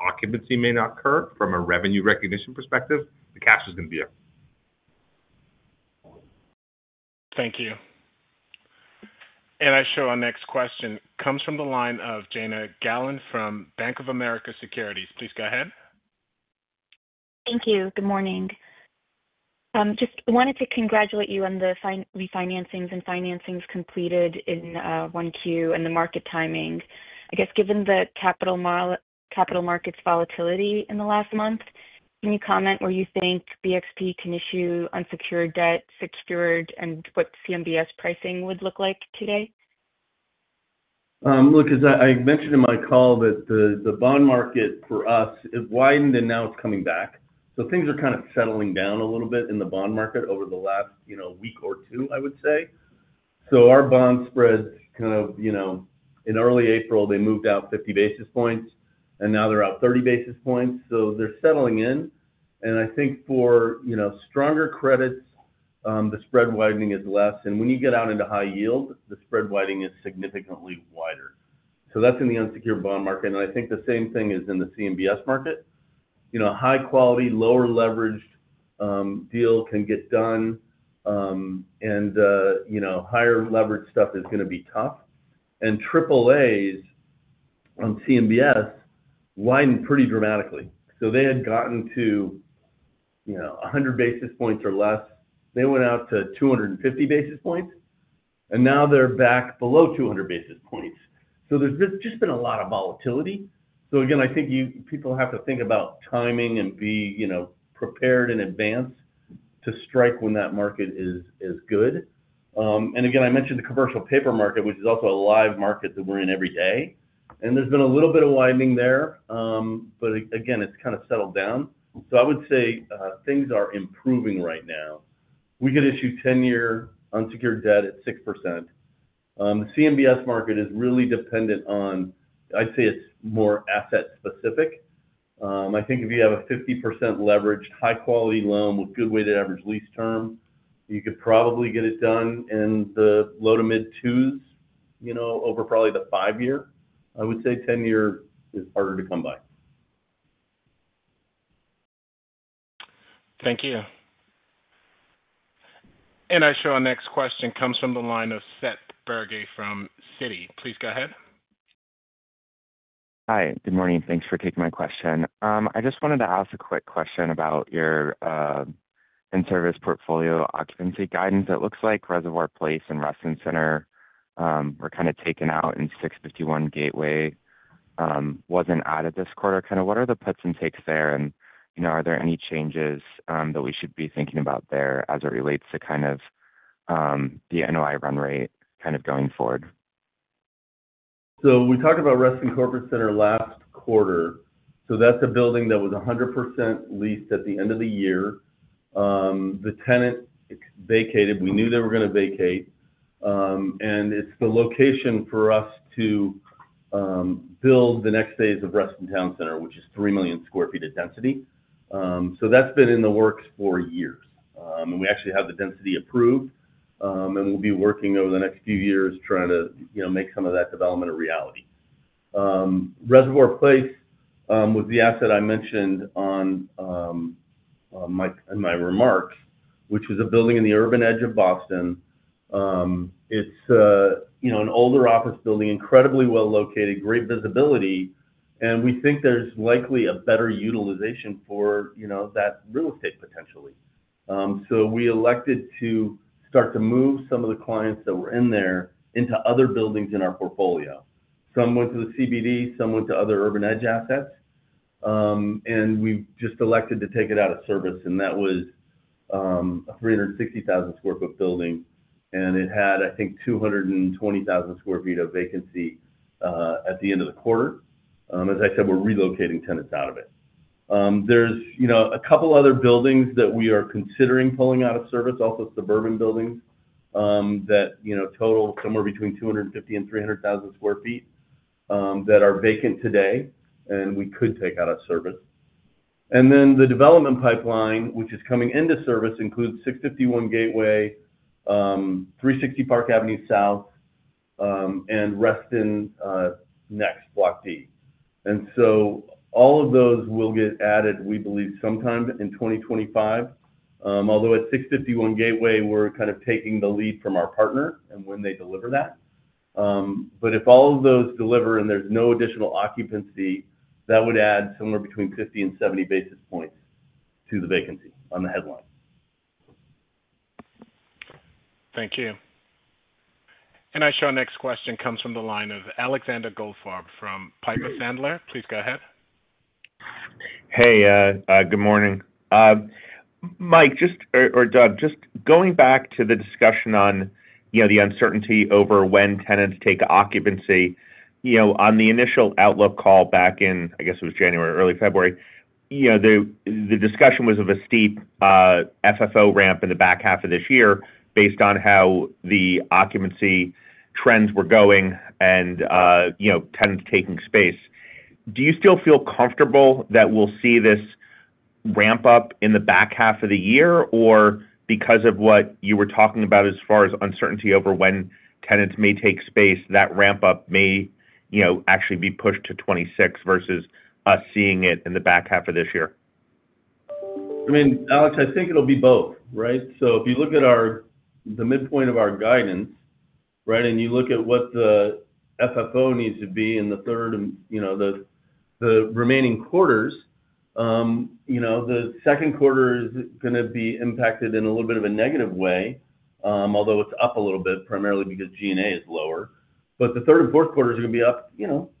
"occupancy" may not occur from a revenue recognition perspective, the cash is going to be there. Thank you. I share our next question comes from the line of Jana Galan from Bank of America Securities. Please go ahead. Thank you. Good morning. Just wanted to congratulate you on the refinancings and financings completed in one Q and the market timing. I guess, given the capital markets volatility in the last month, can you comment where you think BXP can issue unsecured debt secured and what CMBS pricing would look like today? Look, as I mentioned in my call, the bond market for us, it widened, and now it's coming back. Things are kind of settling down a little bit in the bond market over the last week or two, I would say. Our bond spreads kind of in early April, they moved out 50 basis points, and now they're out 30 basis points. They're settling in. I think for stronger credits, the spread widening is less. When you get out into high yield, the spread widening is significantly wider. That's in the unsecured bond market. I think the same thing is in the CMBS market. High-quality, lower leveraged deal can get done, and higher leveraged stuff is going to be tough. AAAs on CMBS widened pretty dramatically. They had gotten to 100 basis points or less. They went out to 250 basis points, and now they're back below 200 basis points. There's just been a lot of volatility. I think people have to think about timing and be prepared in advance to strike when that market is good. I mentioned the commercial paper market, which is also a live market that we're in every day. There's been a little bit of widening there, but it's kind of settled down. I would say things are improving right now. We could issue 10-year unsecured debt at 6%. The CMBS market is really dependent on, I'd say it's more asset-specific. I think if you have a 50% leveraged high-quality loan with good weighted average lease term, you could probably get it done in the low to mid-two's over probably the five-year. I would say 10-year is harder to come by. Thank you. I share our next question comes from the line of Seth Bergey from Citigroup. Please go ahead. Hi, good morning. Thanks for taking my question. I just wanted to ask a quick question about your in-service portfolio occupancy guidance. It looks like Reservoir Place and Reston Center were kind of taken out, and 651 Gateway was not added this quarter. What are the puts and takes there, and are there any changes that we should be thinking about there as it relates to the NOI run rate going forward? We talked about Reston Corporate Center last quarter. That's a building that was 100% leased at the end of the year. The tenant vacated. We knew they were going to vacate. It's the location for us to build the next phase of Reston Town Center, which is 3 million sq ft of density. That's been in the works for years. We actually have the density approved, and we'll be working over the next few years trying to make some of that development a reality. Reservoir Place was the asset I mentioned in my remarks, which was a building in the urban edge of Boston. It's an older office building, incredibly well located, great visibility. We think there's likely a better utilization for that real estate potentially. We elected to start to move some of the clients that were in there into other buildings in our portfolio. Some went to the CBD, some went to other urban edge assets. We just elected to take it out of service. That was a 360,000 sq ft building. It had, I think, 220,000 sq ft of vacancy at the end of the quarter. As I said, we're relocating tenants out of it. There are a couple of other buildings that we are considering pulling out of service, also suburban buildings that total somewhere between 250,000-300,000 sq ft that are vacant today, and we could take out of service. The development pipeline, which is coming into service, includes 651 Gateway, 360 Park Avenue South, and Reston Next Block D. All of those will get added, we believe, sometime in 2025. Although at 651 Gateway, we're kind of taking the lead from our partner and when they deliver that. If all of those deliver and there's no additional occupancy, that would add somewhere between 50 and 70 basis points to the vacancy on the headline. Thank you. I share our next question comes from the line of Alexander Goldfarb from Piper Sandler. Please go ahead. Hey, good morning. Mike or Doug, just going back to the discussion on the uncertainty over when tenants take occupancy on the initial Outlook call back in, I guess it was January, early February, the discussion was of a steep FFO ramp in the back half of this year based on how the occupancy trends were going and tenants taking space. Do you still feel comfortable that we'll see this ramp up in the back half of the year, or because of what you were talking about as far as uncertainty over when tenants may take space, that ramp up may actually be pushed to 2026 versus us seeing it in the back half of this year? I mean, Alex, I think it'll be both, right? If you look at the midpoint of our guidance, right, and you look at what the FFO needs to be in the third and the remaining quarters, the second quarter is going to be impacted in a little bit of a negative way, although it's up a little bit primarily because G&A is lower. The third and fourth quarters are going to be up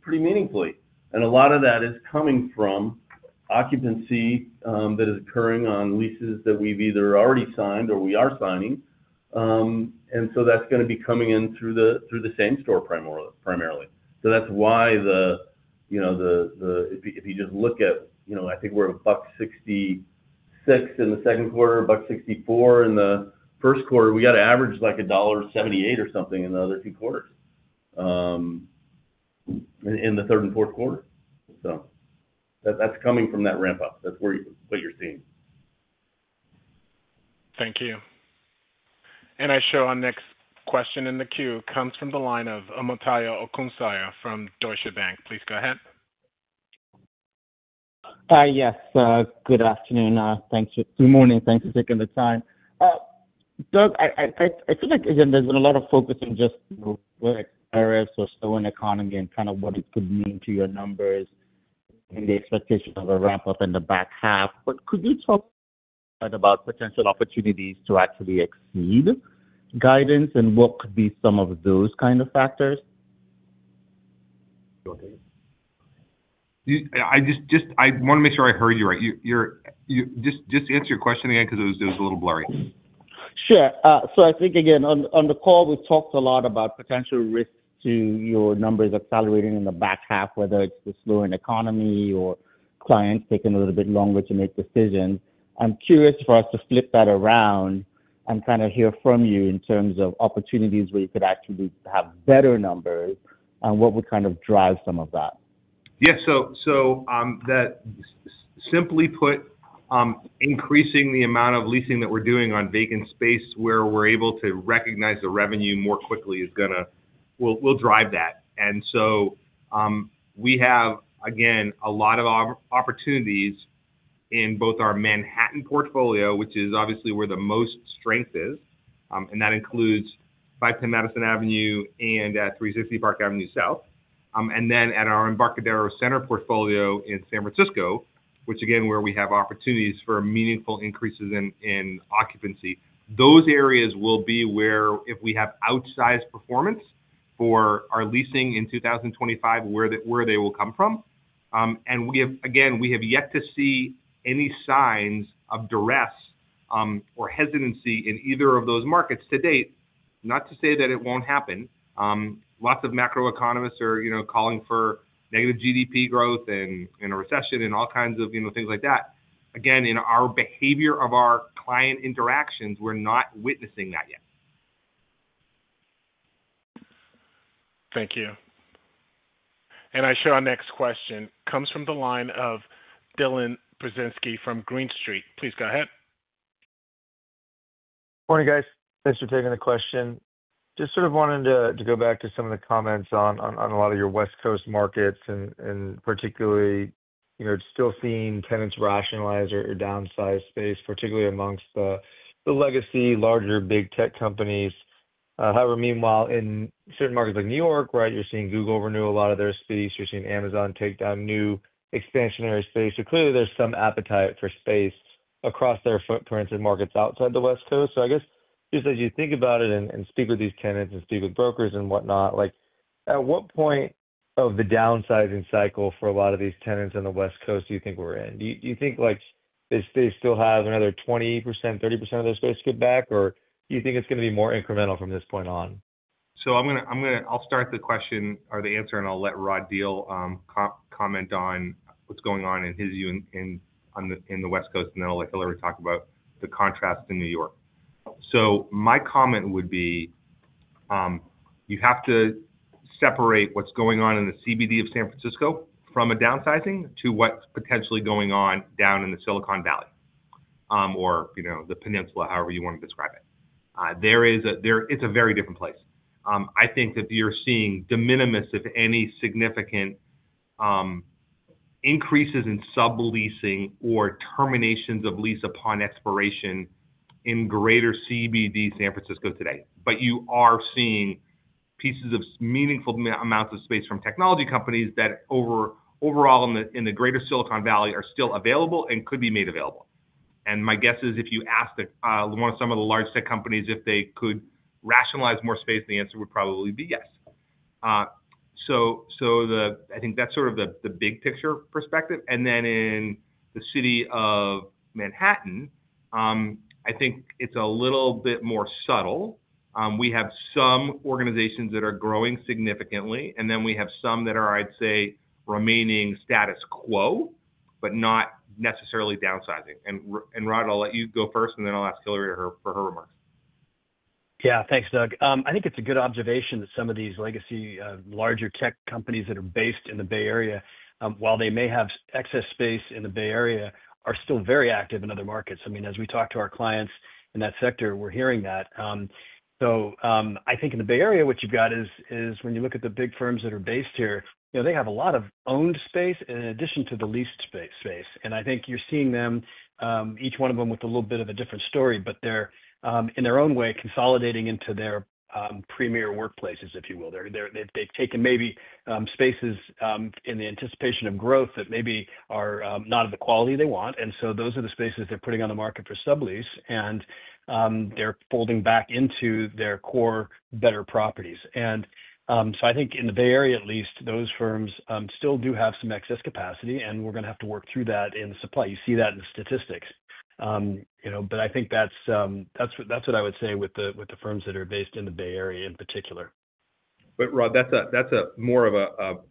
pretty meaningfully. A lot of that is coming from occupancy that is occurring on leases that we've either already signed or we are signing. That is going to be coming in through the same store primarily. That is why if you just look at, I think we're at 1.66 in the second quarter, 1.64 in the first quarter. We got an average like $1.78 or something in the other two quarters in the third and fourth quarter. That is coming from that ramp up. That is what you are seeing. Thank you. I share our next question in the queue comes from the line of Omotayo Okusanya from Deutsche Bank. Please go ahead. Hi, yes. Good afternoon. Thanks. Good morning. Thanks for taking the time. Doug, I feel like there's been a lot of focus in just what areas are slowing economy and kind of what it could mean to your numbers and the expectation of a ramp up in the back half. Could you talk about potential opportunities to actually exceed guidance, and what could be some of those kind of factors? I just want to make sure I heard you right. Just answer your question again because it was a little blurry. Sure. I think, again, on the call, we've talked a lot about potential risks to your numbers accelerating in the back half, whether it's the slowing economy or clients taking a little bit longer to make decisions. I'm curious for us to flip that around and kind of hear from you in terms of opportunities where you could actually have better numbers and what would kind of drive some of that. Yeah. Simply put, increasing the amount of leasing that we're doing on vacant space where we're able to recognize the revenue more quickly is going to drive that. We have, again, a lot of opportunities in both our Manhattan portfolio, which is obviously where the most strength is. That includes 510 Madison Avenue and 360 Park Avenue South. At our Embarcadero Center portfolio in San Francisco, we have opportunities for meaningful increases in occupancy. Those areas will be where, if we have outsized performance for our leasing in 2025, they will come from. Again, we have yet to see any signs of duress or hesitancy in either of those markets to date. Not to say that it won't happen. Lots of macroeconomists are calling for negative GDP growth and a recession and all kinds of things like that. Again, in our behavior of our client interactions, we're not witnessing that yet. Thank you. I share our next question comes from the line of Dylan Burzinski from Green Street. Please go ahead. Morning, guys. Thanks for taking the question. Just sort of wanted to go back to some of the comments on a lot of your West Coast markets and particularly still seeing tenants rationalize or downsize space, particularly amongst the legacy larger big tech companies. However, meanwhile, in certain markets like New York, right, you're seeing Google renew a lot of their space. You're seeing Amazon take down new expansionary space. Clearly, there's some appetite for space across their footprints and markets outside the West Coast. I guess just as you think about it and speak with these tenants and speak with brokers and whatnot, at what point of the downsizing cycle for a lot of these tenants on the West Coast do you think we're in? Do you think they still have another 20%-30% of their space to get back, or do you think it's going to be more incremental from this point on? I'll start the question or the answer, and I'll let Rod Diehl comment on what's going on in his view in the West Coast, and then I'll let Hillary talk about the contrast in New York. My comment would be you have to separate what's going on in the CBD of San Francisco from a downsizing to what's potentially going on down in the Silicon Valley or the peninsula, however you want to describe it. It's a very different place. I think that you're seeing de minimis, if any, significant increases in sub-leasing or terminations of lease upon expiration in greater CBD San Francisco today. You are seeing pieces of meaningful amounts of space from technology companies that overall in the greater Silicon Valley are still available and could be made available. My guess is if you asked one of some of the large tech companies if they could rationalize more space, the answer would probably be yes. I think that's sort of the big picture perspective. In the city of Manhattan, I think it's a little bit more subtle. We have some organizations that are growing significantly, and then we have some that are, I'd say, remaining status quo, but not necessarily downsizing. Rod, I'll let you go first, and then I'll ask Hillary for her remarks. Yeah, thanks, Doug. I think it's a good observation that some of these legacy larger tech companies that are based in the Bay Area, while they may have excess space in the Bay Area, are still very active in other markets. I mean, as we talk to our clients in that sector, we're hearing that. I think in the Bay Area, what you've got is when you look at the big firms that are based here, they have a lot of owned space in addition to the leased space. I think you're seeing them, each one of them with a little bit of a different story, but they're, in their own way, consolidating into their premier workplaces, if you will. They've taken maybe spaces in the anticipation of growth that maybe are not of the quality they want. Those are the spaces they're putting on the market for sub-lease, and they're folding back into their core better properties. I think in the Bay Area, at least, those firms still do have some excess capacity, and we're going to have to work through that in supply. You see that in the statistics. I think that's what I would say with the firms that are based in the Bay Area in particular. Rod, that's more of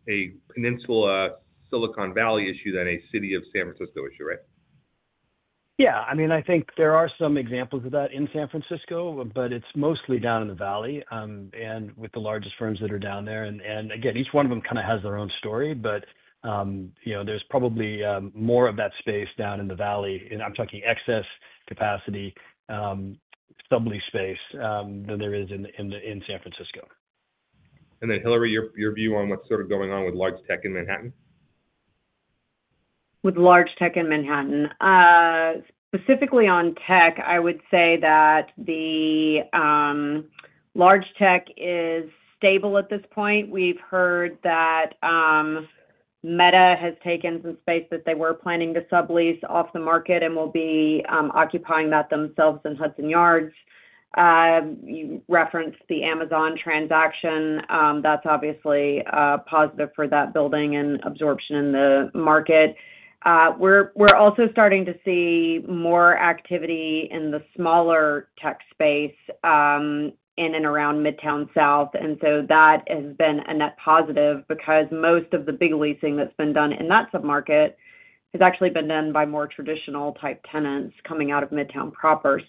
a Peninsula/Silicon Valley issue than a City of San Francisco issue, right? Yeah. I mean, I think there are some examples of that in San Francisco, but it's mostly down in the valley and with the largest firms that are down there. I mean, each one of them kind of has their own story, but there's probably more of that space down in the valley. I'm talking excess capacity, sub-lease space, than there is in San Francisco. Hillary, your view on what's sort of going on with large tech in Manhattan? With large tech in Manhattan, specifically on tech, I would say that the large tech is stable at this point. We've heard that Meta has taken some space that they were planning to sub-lease off the market and will be occupying that themselves in Hudson Yards. You referenced the Amazon transaction. That's obviously positive for that building and absorption in the market. We're also starting to see more activity in the smaller tech space in and around Midtown South. That has been a net positive because most of the big leasing that's been done in that submarket has actually been done by more traditional type tenants coming out of Midtown proper.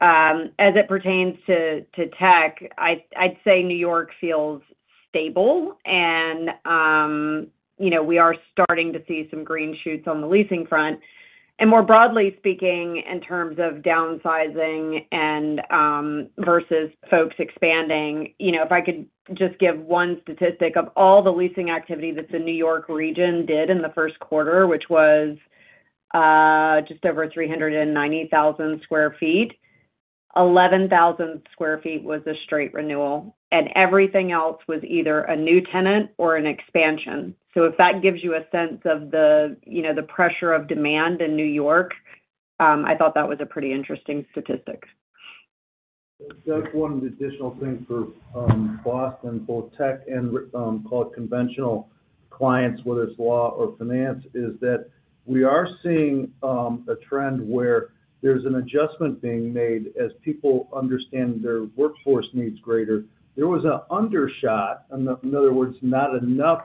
As it pertains to tech, I'd say New York feels stable, and we are starting to see some green shoots on the leasing front. More broadly speaking, in terms of downsizing versus folks expanding, if I could just give one statistic of all the leasing activity that the New York region did in the first quarter, which was just over 390,000 sq ft, 11,000 sq ft was a straight renewal. Everything else was either a new tenant or an expansion. If that gives you a sense of the pressure of demand in New York, I thought that was a pretty interesting statistic. Doug, one additional thing for Boston, both tech and called conventional clients, whether it's law or finance, is that we are seeing a trend where there's an adjustment being made as people understand their workforce needs greater. There was an undershot, in other words, not enough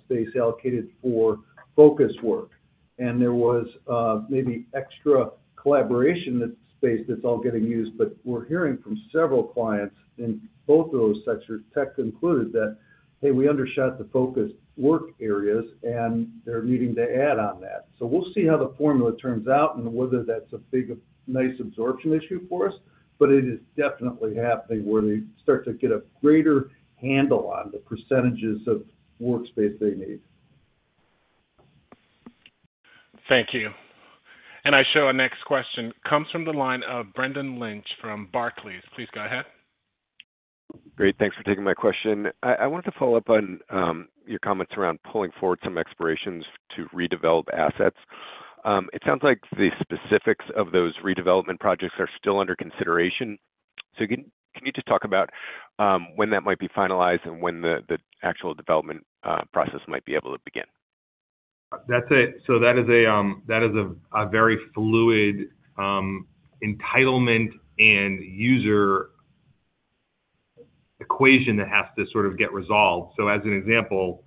space allocated for focus work. There was maybe extra collaboration space that's all getting used, but we're hearing from several clients in both of those sectors, tech included, that, "Hey, we undershot the focus work areas," and they're needing to add on that. We will see how the formula turns out and whether that's a big nice absorption issue for us, but it is definitely happening where they start to get a greater handle on the percentages of workspace they need. Thank you. I share our next question comes from the line of Brendan Lynch from Barclays. Please go ahead. Great. Thanks for taking my question. I wanted to follow up on your comments around pulling forward some expirations to redevelop assets. It sounds like the specifics of those redevelopment projects are still under consideration. Can you just talk about when that might be finalized and when the actual development process might be able to begin? That is a very fluid entitlement and user equation that has to sort of get resolved. As an example,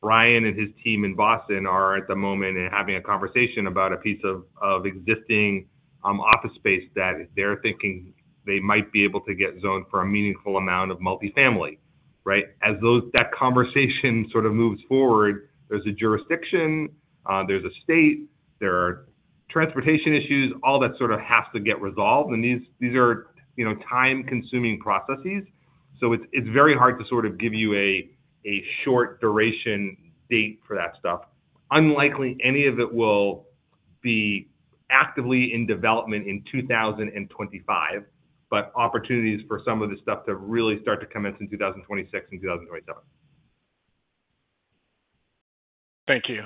Bryan and his team in Boston are at the moment having a conversation about a piece of existing office space that they are thinking they might be able to get zoned for a meaningful amount of multifamily, right? As that conversation sort of moves forward, there is a jurisdiction, there is a state, there are transportation issues, all that sort of has to get resolved. These are time-consuming processes. It is very hard to sort of give you a short duration date for that stuff. Unlikely any of it will be actively in development in 2025, but opportunities for some of this stuff to really start to commence in 2026 and 2027. Thank you.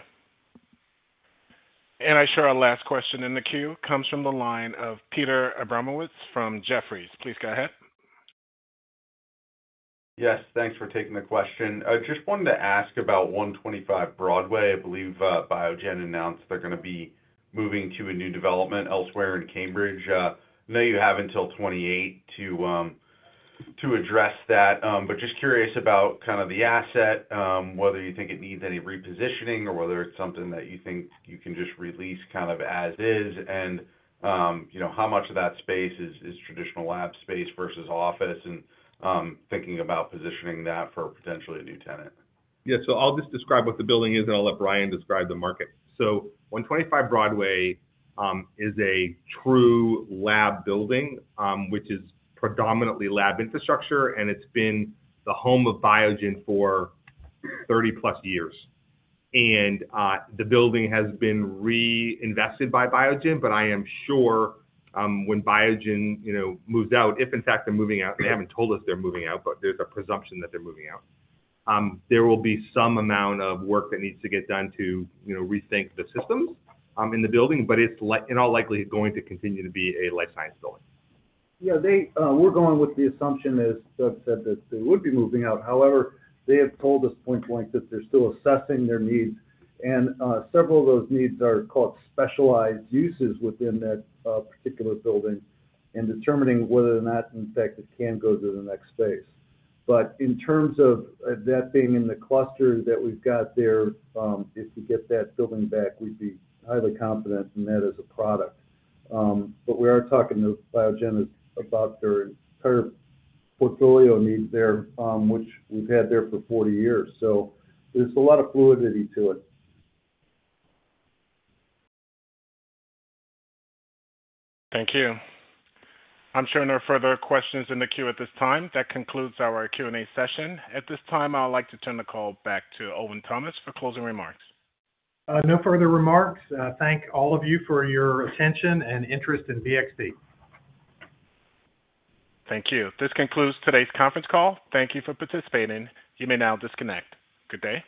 I share our last question in the queue comes from the line of Peter Abramowitz from Jefferies. Please go ahead. Yes. Thanks for taking the question. Just wanted to ask about 125 Broadway. I believe Biogen announced they're going to be moving to a new development elsewhere in Cambridge. I know you have until 2028 to address that, but just curious about kind of the asset, whether you think it needs any repositioning or whether it's something that you think you can just release kind of as is, and how much of that space is traditional lab space versus office and thinking about positioning that for potentially a new tenant. Yeah. I'll just describe what the building is, and I'll let Bryan describe the market. 125 Broadway is a true lab building, which is predominantly lab infrastructure, and it's been the home of Biogen for 30-plus years. The building has been reinvested by Biogen, but I am sure when Biogen moves out, if in fact they're moving out, they haven't told us they're moving out, but there's a presumption that they're moving out. There will be some amount of work that needs to get done to rethink the systems in the building, but it's in all likelihood going to continue to be a life science building. Yeah. We're going with the assumption, as Doug said, that they would be moving out. However, they have told us point blank that they're still assessing their needs. Several of those needs are called specialized uses within that particular building and determining whether or not, in fact, it can go to the next phase. In terms of that being in the cluster that we have there, if we get that building back, we would be highly confident in that as a product. We are talking to Biogen about their entire portfolio needs there, which we have had there for 40 years. There is a lot of fluidity to it. Thank you. I'm sure no further questions in the queue at this time. That concludes our Q&A session. At this time, I'd like to turn the call back to Owen Thomas for closing remarks. No further remarks. Thank all of you for your attention and interest in BXP. Thank you. This concludes today's conference call. Thank you for participating. You may now disconnect. Good day.